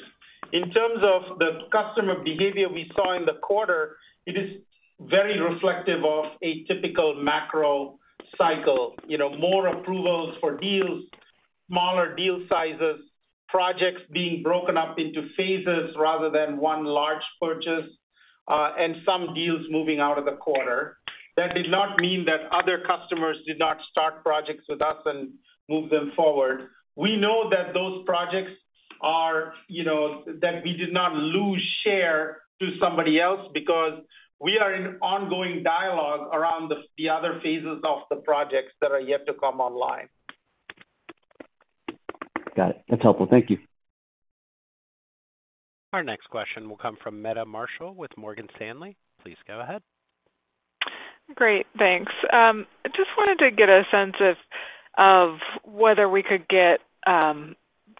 In terms of the customer behavior we saw in the quarter, it is very reflective of a typical macro cycle. You know, more approvals for deals, smaller deal sizes, projects being broken up into phases rather than one large purchase, and some deals moving out of the quarter. That did not mean that other customers did not start projects with us and move them forward. We know that those projects are, you know, that we did not lose share to somebody else because we are in ongoing dialogue around the other phases of the projects that are yet to come online. Got it. That's helpful. Thank you. Our next question will come from Meta Marshall with Morgan Stanley. Please go ahead. Great, thanks. I just wanted to get a sense of whether we could get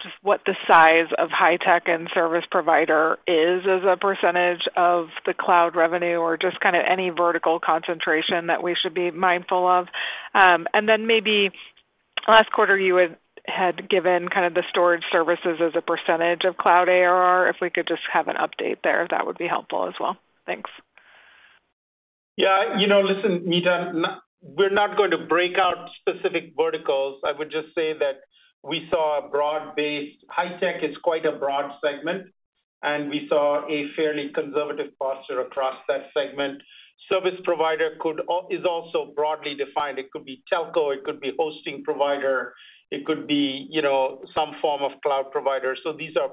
just what the size of high-tech and service provider is as a percentage of the cloud revenue or just kinda any vertical concentration that we should be mindful of. Then maybe last quarter you had given kind of the storage services as a percentage of cloud ARR. If we could just have an update there, that would be helpful as well. Thanks. Yeah, you know, listen, Meta, we're not going to break out specific verticals. I would just say that we saw a broad-based. High tech is quite a broad segment, and we saw a fairly conservative posture across that segment. Service provider is also broadly defined. It could be telco, it could be hosting provider, it could be, you know, some form of cloud provider. So these are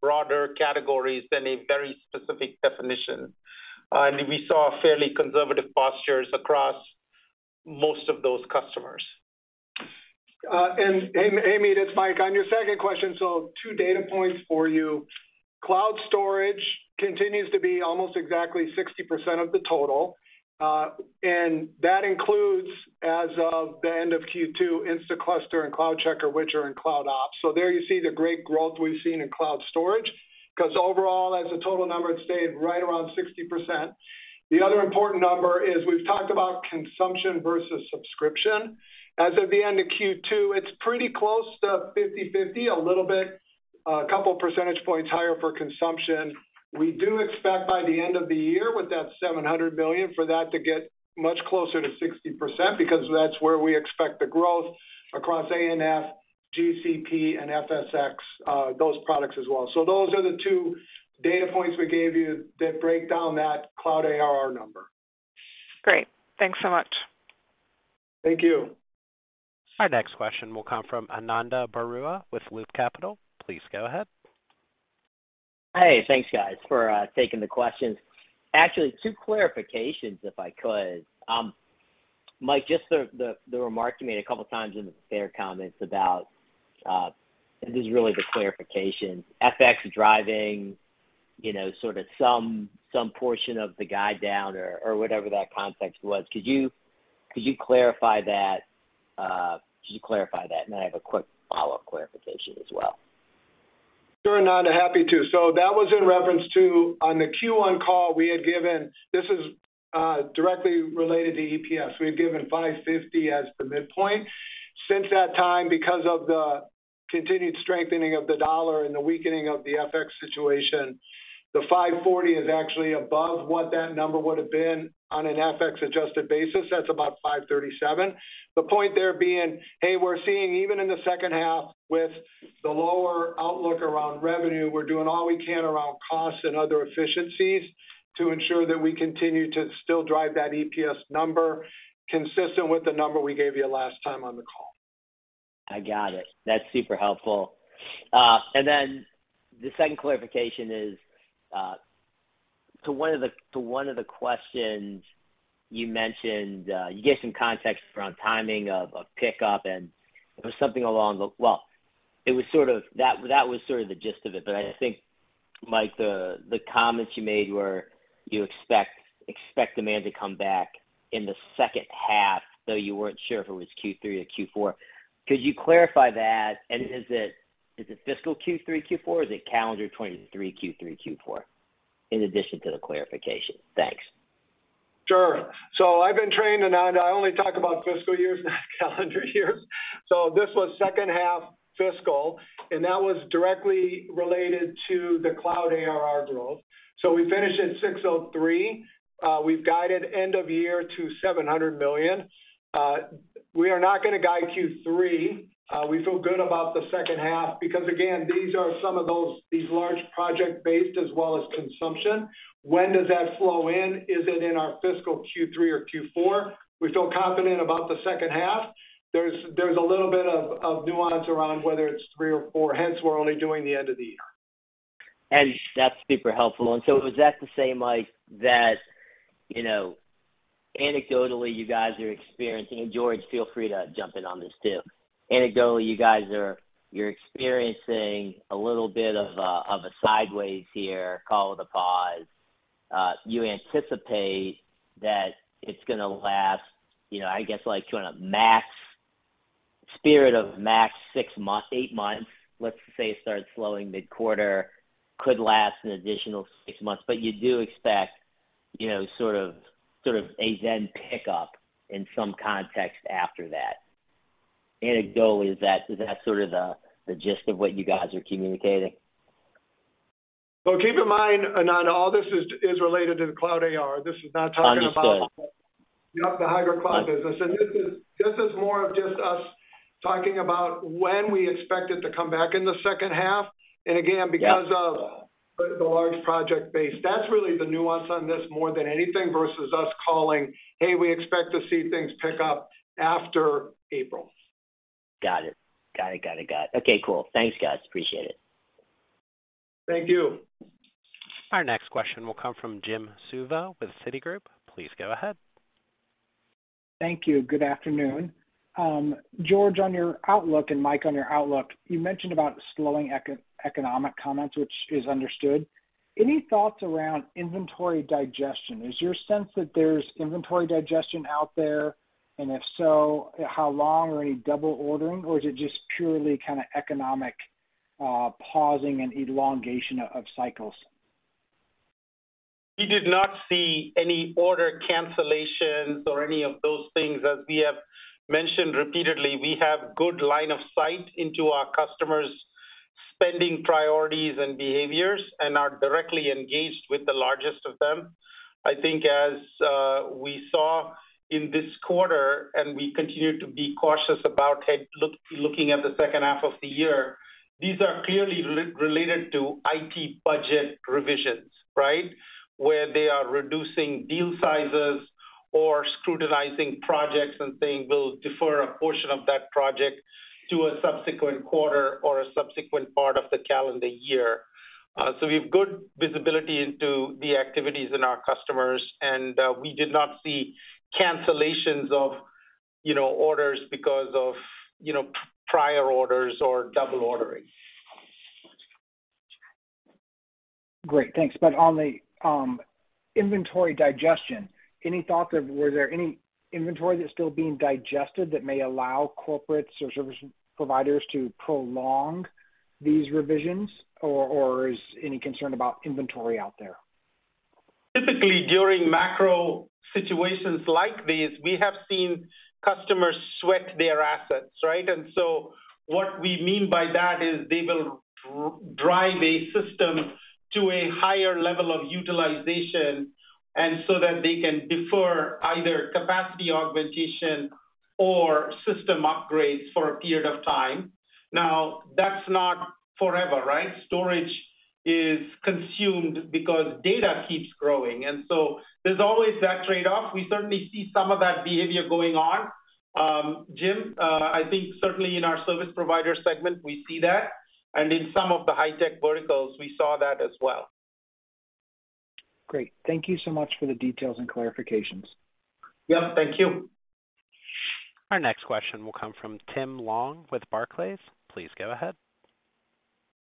broader categories than a very specific definition. We saw fairly conservative postures across most of those customers. Amit, it's Mike. On your second question, two data points for you. Cloud storage continues to be almost exactly 60% of the total, that includes, as of the end of Q2, Instaclustr and CloudCheckr, which are in CloudOps. There you see the great growth we've seen in Cloud storage 'cause overall, as a total number, it stayed right around 60%. The other important number is we've talked about consumption versus subscription. As of the end of Q2, it's pretty close to 50/50, a little bit, a couple percentage points higher for consumption. We do expect by the end of the year with that $700 million for that to get much closer to 60% because that's where we expect the growth across ANF, GCP, and FSx, those products as well. Those are the two data points we gave you that break down that cloud ARR number. Great. Thanks so much. Thank you. Our next question will come from Ananda Baruah with Loop Capital. Please go ahead. Hey, thanks guys for taking the questions. Actually, two clarifications if I could. Mike, just the remark you made a couple times in the prepared comments about this is really the clarification. FX driving, you know, sort of some portion of the guide down or whatever that context was. Could you clarify that, could you clarify that? Then I have a quick follow-up clarification as well. Sure, Ananda, happy to. That was in reference to on the Q1 call we had given, this is directly related to EPS. We had given $5.50 as the midpoint. Since that time, because of the continued strengthening of the dollar and the weakening of the FX situation, the $5.40 is actually above what that number would have been on an FX adjusted basis. That's about $5.37. The point there being, hey, we're seeing even in the second half with the lower outlook around revenue, we're doing all we can around costs and other efficiencies to ensure that we continue to still drive that EPS number consistent with the number we gave you last time on the call. I got it. That's super helpful. The second clarification is to one of the questions you mentioned, you gave some context around timing of pickup and it was something along the. Well, it was sort of that was sort of the gist of it. I think, Mike, the comments you made were you expect demand to come back in the second half, though you weren't sure if it was Q3 or Q4. Could you clarify that? Is it fiscal Q3, Q4, or is it calendar 2023 Q3, Q4, in addition to the clarification? Thanks. Sure. I've been trained, Ananda, I only talk about fiscal years, not calendar years. This was second half fiscal, and that was directly related to the cloud ARR growth. We finished at $603. We've guided end of year to $700 million. We are not gonna guide Q3. We feel good about the second half because, again, these are some of those, these large project-based as well as consumption. When does that flow in? Is it in our fiscal Q3 or Q4? We feel confident about the second half. There's a little bit of nuance around whether it's Q3 or Q4, hence we're only doing the end of the year. That's super helpful. Is that to say, Mike, that, you know, anecdotally, you guys are experiencing, and George, feel free to jump in on this too. Anecdotally, you're experiencing a little bit of a, of a sideways here, call it a pause. You anticipate that it's gonna last, you know, I guess, like, kind of max 6 months, 8 months. Let's say it starts slowing mid-quarter, could last an additional 6 months. You do expect, you know, sort of a then pick-up in some context after that. Anecdotally, is that sort of the gist of what you guys are communicating? Well, keep in mind, Ananda, all this is related to the cloud ARR. This is not talking about. Understood. Yep, the hybrid cloud business. This is more of just us talking about when we expect it to come back in the second half. Again. Yep. Because of the large project base. That's really the nuance on this more than anything versus us calling, "Hey, we expect to see things pick up after April. Got it. Got it, got it, got it. Okay, cool. Thanks, guys. Appreciate it. Thank you. Our next question will come from Jim Suva with Citigroup. Please go ahead. Thank you. Good afternoon. George, on your outlook, and Mike, on your outlook, you mentioned about slowing economic comments, which is understood. Any thoughts around inventory digestion? Is your sense that there's inventory digestion out there? If so, how long or any double ordering? Is it just purely kind of economic pausing and elongation of cycles? We did not see any order cancellations or any of those things. As we have mentioned repeatedly, we have good line of sight into our customers' spending priorities and behaviors, and are directly engaged with the largest of them. I think as we saw in this quarter, and we continue to be cautious about looking at the second half of the year, these are clearly related to IT budget revisions, right? Where they are reducing deal sizes or scrutinizing projects and saying, "We'll defer a portion of that project to a subsequent quarter or a subsequent part of the calendar year." We have good visibility into the activities in our customers, and we did not see cancellations of, you know, orders because of, you know, prior orders or double ordering. Great. Thanks. On the inventory digestion, any thoughts of were there any inventory that's still being digested that may allow corporates or service providers to prolong these revisions? Is any concern about inventory out there? Typically, during macro situations like these, we have seen customers sweat their assets, right? What we mean by that is they will drive a system to a higher level of utilization so that they can defer either capacity augmentation or system upgrades for a period of time. That's not forever, right? Storage is consumed because data keeps growing. There's always that trade-off. We certainly see some of that behavior going on, Jim. I think certainly in our service provider segment, we see that. In some of the high-tech verticals, we saw that as well. Great. Thank you so much for the details and clarifications. Yep. Thank you. Our next question will come from Tim Long with Barclays. Please go ahead.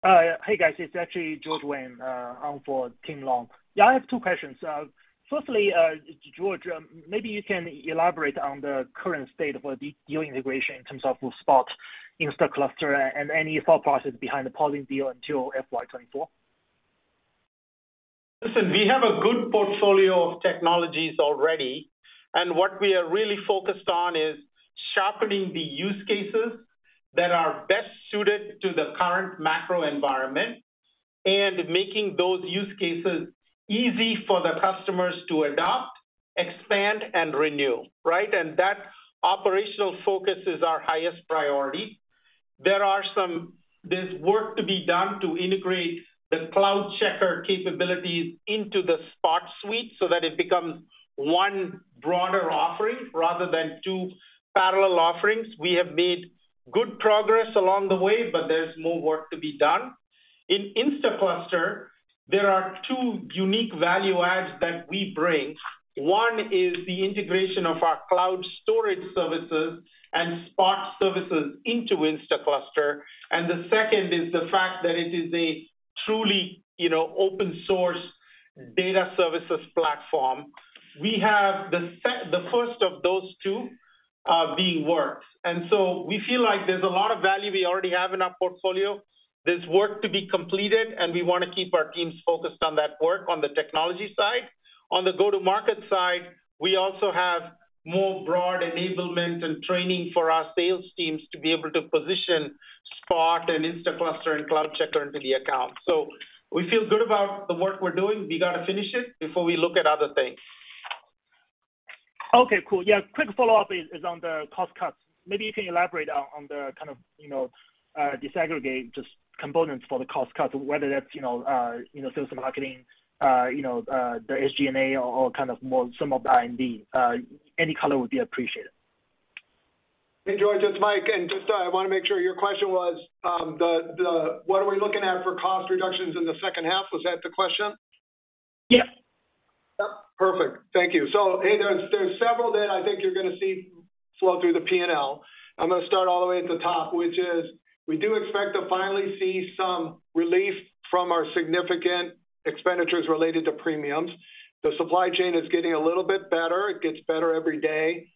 Hey, guys, it's actually George Wang on for Tim Long. I have two questions. Firstly, George, maybe you can elaborate on the current state of a de-deal integration in terms of Spot, Instaclustr, and any thought process behind the pulling deal until FY 2024. Listen, we have a good portfolio of technologies already, and what we are really focused on is sharpening the use cases that are best suited to the current macro environment and making those use cases easy for the customers to adopt, expand, and renew, right? That operational focus is our highest priority. There's work to be done to integrate the CloudCheckr capabilities into the Spot suite so that it becomes one broader offering rather than two parallel offerings. We have made good progress along the way. There's more work to be done. In Instaclustr, there are two unique value adds that we bring. One is the integration of our cloud storage services and Spot services into Instaclustr, and the second is the fact that it is a truly, you know, open source data services platform. We have the first of those two being worked. We feel like there's a lot of value we already have in our portfolio. There's work to be completed, and we wanna keep our teams focused on that work on the technology side. On the go-to-market side, we also have more broad enablement and training for our sales teams to be able to position Spot and Instaclustr and CloudCheckr into the account. We feel good about the work we're doing. We gotta finish it before we look at other things. Okay, cool. Yeah. Quick follow-up is on the cost cuts. Maybe you can elaborate on the kind of, you know, disaggregate just components for the cost cuts, whether that's, you know, sales and marketing, you know, the SG&A or kind of more some of the R&D. Any color would be appreciated. Hey, George, it's Mike, just I wanna make sure your question was, what are we looking at for cost reductions in the second half? Was that the question? Yes. Yep, perfect. Thank you. A, there's several that I think you're gonna see flow through the P&L. I'm gonna start all the way at the top, which is we do expect to finally see some relief from our significant expenditures related to premiums. The supply chain is getting a little bit better. It gets better every day,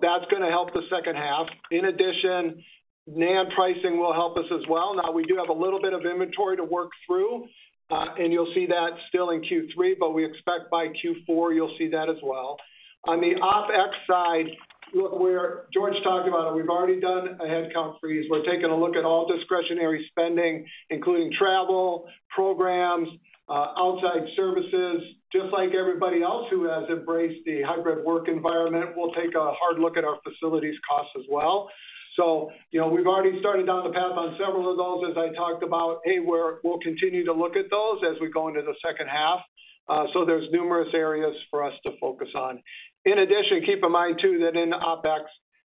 that's gonna help the second half. In addition, NAND pricing will help us as well. We do have a little bit of inventory to work through, and you'll see that still in Q3, we expect by Q4 you'll see that as well. On the OpEx side, look, George talked about it. We've already done a headcount freeze. We're taking a look at all discretionary spending, including travel, programs, outside services. Just like everybody else who has embraced the hybrid work environment, we'll take a hard look at our facilities costs as well. you know, we've already started down the path on several of those, as I talked about. we'll continue to look at those as we go into the second half. there's numerous areas for us to focus on. In addition, keep in mind too that in OpEx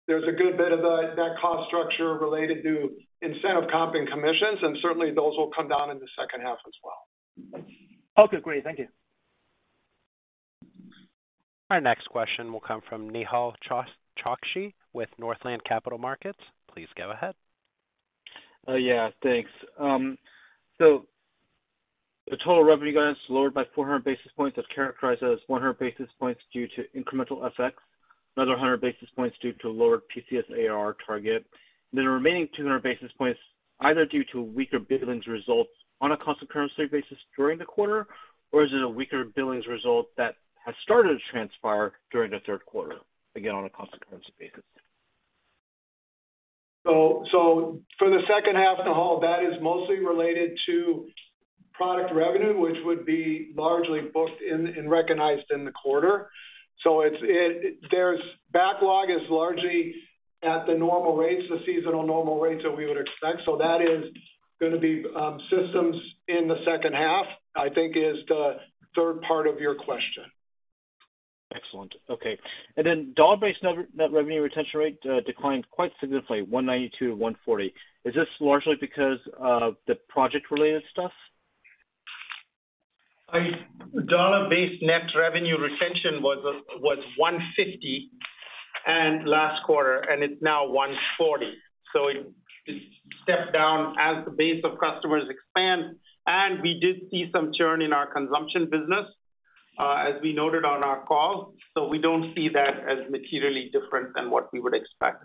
there's a good bit of that cost structure related to incentive comp and commissions, and certainly those will come down in the second half as well. Okay, great. Thank you. Our next question will come from Nehal Chokshi with Northland Capital Markets. Please go ahead. Yeah, thanks. The total revenue guidance lowered by 400 basis points is characterized as 100 basis points due to incremental FX, another 100 basis points due to lower PCS AR target. The remaining 200 basis points either due to weaker billings results on a constant currency basis during the quarter, or is it a weaker billings result that has started to transpire during the third quarter, again, on a constant currency basis? For the second half, Nihal, that is mostly related to product revenue, which would be largely booked in recognized in the quarter. There's backlog is largely at the normal rates, the seasonal normal rates that we would expect, so that is gonna be systems in the second half, I think is the third part of your question. Excellent. Okay. Then dollar-based net revenue retention rate declined quite significantly, 192% to 140%. Is this largely because of the project related stuff? Dollar-based net revenue retention was 150 last quarter, and it's now 140. It stepped down as the base of customers expand, and we did see some churn in our consumption business, as we noted on our call, so we don't see that as materially different than what we would expect.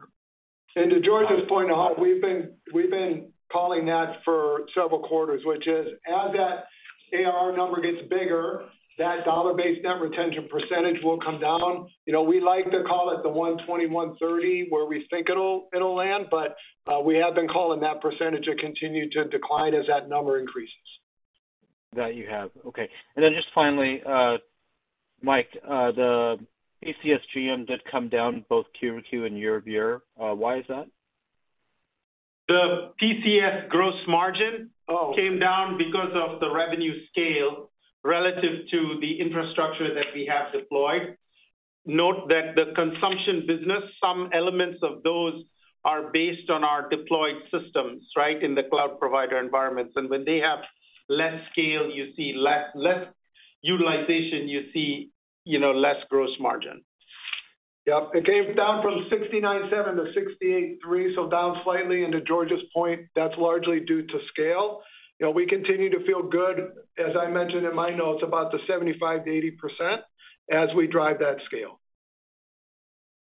To George's point, Nihal, we've been calling that for several quarters, which is as that AR number gets bigger, that dollar-based net retention percentage will come down. You know, we like to call it the 120%, 130% where we think it'll land, but we have been calling that percentage to continue to decline as that number increases. That you have. Okay. Just finally, Mike, the PCS GM did come down both quarter-over-quarter and year-over-year. Why is that? The PCS gross margin- Oh. ...came down because of the revenue scale relative to the infrastructure that we have deployed. Note that the consumption business, some elements of those are based on our deployed systems, right, in the cloud provider environments. When they have less scale, you see less utilization, you see, you know, less gross margin. Yep. It came down from 69.7 to 68.3, down slightly. To George's point, that's largely due to scale. You know, we continue to feel good, as I mentioned in my notes, about the 75%-80% as we drive that scale.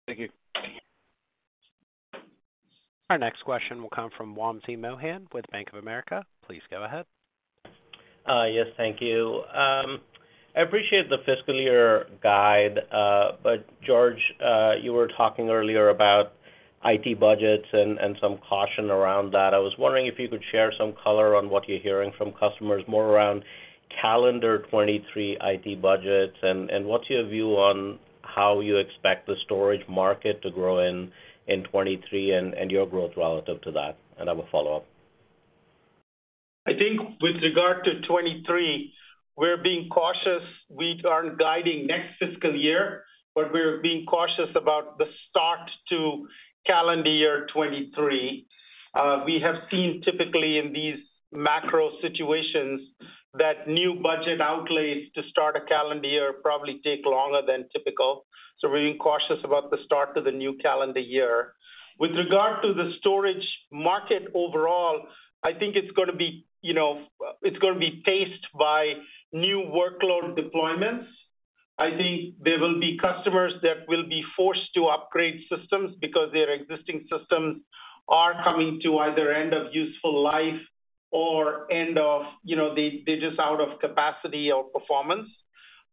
Thank you. Our next question will come from Wamsi Mohan with Bank of America. Please go ahead. Yes. Thank you. I appreciate the fiscal year guide, George, you were talking earlier about IT budgets and some caution around that. I was wondering if you could share some color on what you're hearing from customers more around calendar 2023 IT budgets. What's your view on how you expect the storage market to grow in 2023 and your growth relative to that? I will follow up. I think with regard to 2023, we're being cautious. We aren't guiding next fiscal year, but we're being cautious about the start to calendar year 2023. We have seen typically in these macro situations that new budget outlays to start a calendar year probably take longer than typical, so we're being cautious about the start to the new calendar year. With regard to the storage market overall, I think it's gonna be, you know, it's gonna be paced by new workload deployments. I think there will be customers that will be forced to upgrade systems because their existing systems are coming to either end of useful life or end of, you know, they're just out of capacity or performance.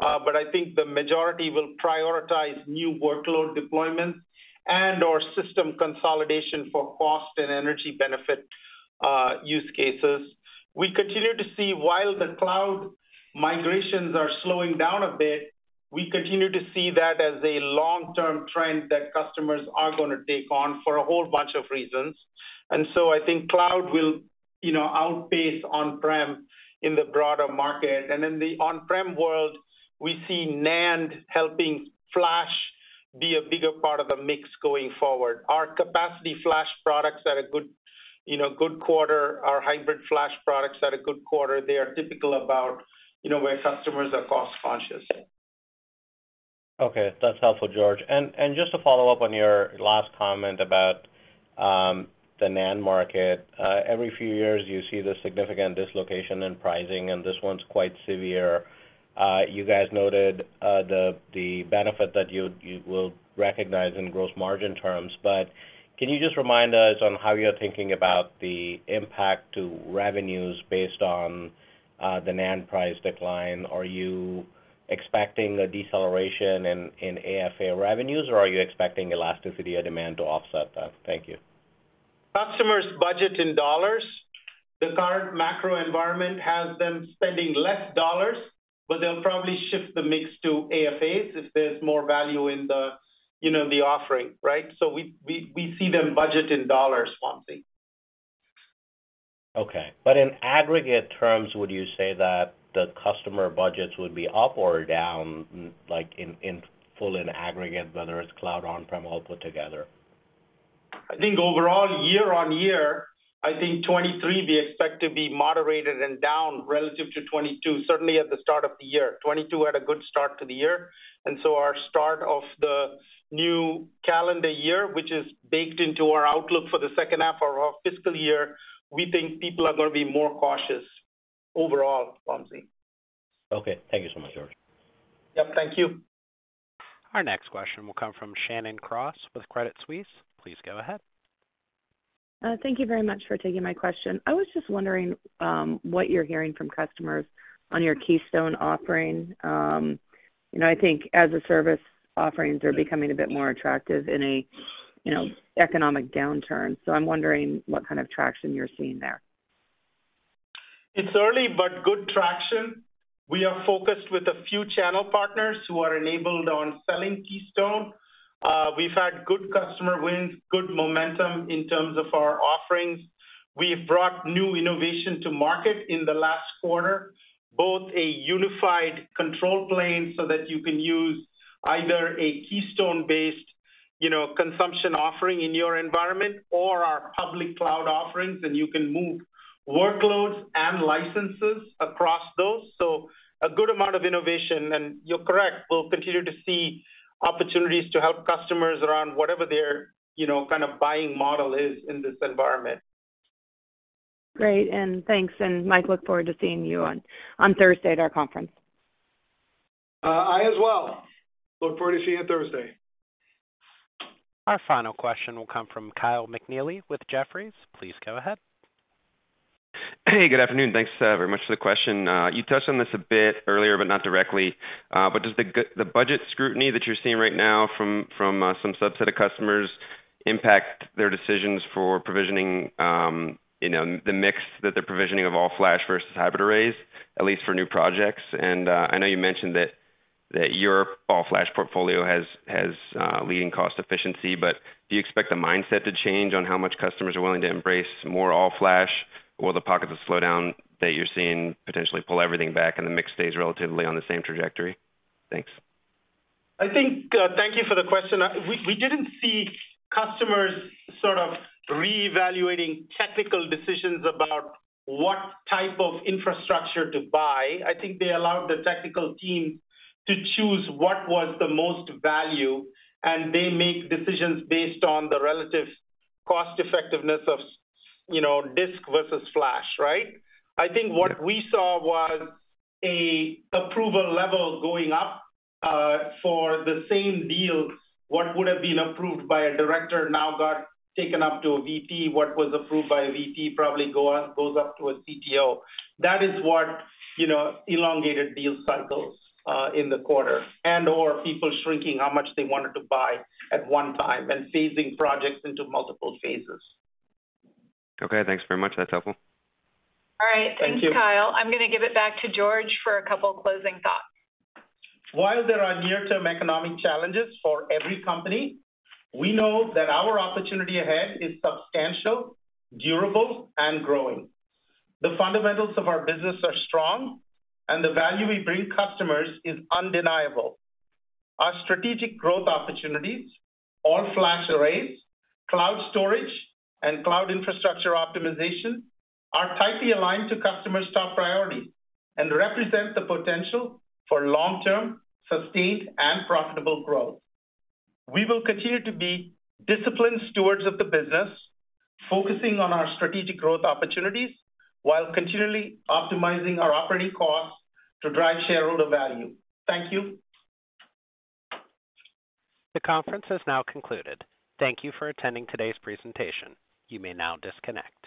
I think the majority will prioritize new workload deployments and/or system consolidation for cost and energy benefit use cases. We continue to see while the cloud migrations are slowing down a bit, we continue to see that as a long-term trend that customers are gonna take on for a whole bunch of reasons. So I think cloud will, you know, outpace on-prem in the broader market. In the on-prem world, we see NAND helping flash be a bigger part of the mix going forward. Our capacity flash products had a good, you know, good quarter. Our hybrid flash products had a good quarter. They are typical about, you know, where customers are cost conscious. Okay. That's helpful, George. Just to follow up on your last comment about the NAND market. Every few years you see the significant dislocation in pricing, this one's quite severe. You guys noted the benefit that you will recognize in gross margin terms. Can you just remind us on how you're thinking about the impact to revenues based on the NAND price decline? Are you expecting a deceleration in AFA revenues, or are you expecting elasticity or demand to offset that? Thank you. Customers budget in dollars. The current macro environment has them spending less dollars, but they'll probably shift the mix to AFAs if there's more value in the, you know, the offering, right? We see them budget in dollars, Wamsi. Okay. In aggregate terms, would you say that the customer budgets would be up or down, like in full in aggregate, whether it's cloud or on-prem all put together? I think overall, year-over-year, I think 2023 we expect to be moderated and down relative to 2022, certainly at the start of the year. 2022 had a good start to the year, our start of the new calendar year, which is baked into our outlook for the second half of our fiscal year, we think people are going to be more cautious overall, Wamsi. Okay. Thank you so much, George. Yep, thank you. Our next question will come from Shannon Cross with Credit Suisse. Please go ahead. Thank you very much for taking my question. I was just wondering what you're hearing from customers on your NetApp Keystone offering. You know, I think as-a-service offerings are becoming a bit more attractive in a, you know, economic downturn, I'm wondering what kind of traction you're seeing there. It's early, but good traction. We are focused with a few channel partners who are enabled on selling Keystone. We've had good customer wins, good momentum in terms of our offerings. We have brought new innovation to market in the last quarter, both a unified control plane so that you can use either a Keystone-based, you know, consumption offering in your environment or our public cloud offerings, and you can move workloads and licenses across those. A good amount of innovation. You're correct, we'll continue to see opportunities to help customers around whatever their, you know, kind of buying model is in this environment. Great, thanks. Mike, look forward to seeing you on Thursday at our conference. I as well look forward to seeing you Thursday. Our final question will come from Kyle McNealy with Jefferies. Please go ahead. Hey, good afternoon. Thanks very much for the question. You touched on this a bit earlier, but not directly. But does the budget scrutiny that you're seeing right now from some subset of customers impact their decisions for provisioning, you know, the mix that they're provisioning of all-flash versus hybrid arrays, at least for new projects? I know you mentioned that your all-flash portfolio has leading cost efficiency, but do you expect the mindset to change on how much customers are willing to embrace more all-flash? Will the pockets of slowdown that you're seeing potentially pull everything back and the mix stays relatively on the same trajectory? Thanks. I think, thank you for the question. We didn't see customers sort of reevaluating technical decisions about what type of infrastructure to buy. I think they allowed the technical team to choose what was the most value, they make decisions based on the relative cost effectiveness of, you know, disk versus flash, right? I think what we saw was a approval level going up for the same deals. What would have been approved by a director now got taken up to a VP. What was approved by a VP probably goes up to a CTO. That is what, you know, elongated deal cycles in the quarter and/or people shrinking how much they wanted to buy at one time and phasing projects into multiple phases. Okay. Thanks very much. That's helpful. All right. Thank you. Thanks, Kyle. I'm gonna give it back to George for a couple closing thoughts. While there are near-term economic challenges for every company, we know that our opportunity ahead is substantial, durable, and growing. The fundamentals of our business are strong, and the value we bring customers is undeniable. Our strategic growth opportunities, all-flash arrays, cloud storage, and cloud infrastructure optimization are tightly aligned to customers' top priority and represent the potential for long-term, sustained, and profitable growth. We will continue to be disciplined stewards of the business, focusing on our strategic growth opportunities while continually optimizing our operating costs to drive shareholder value. Thank you. The conference has now concluded. Thank you for attending today's presentation. You may now disconnect.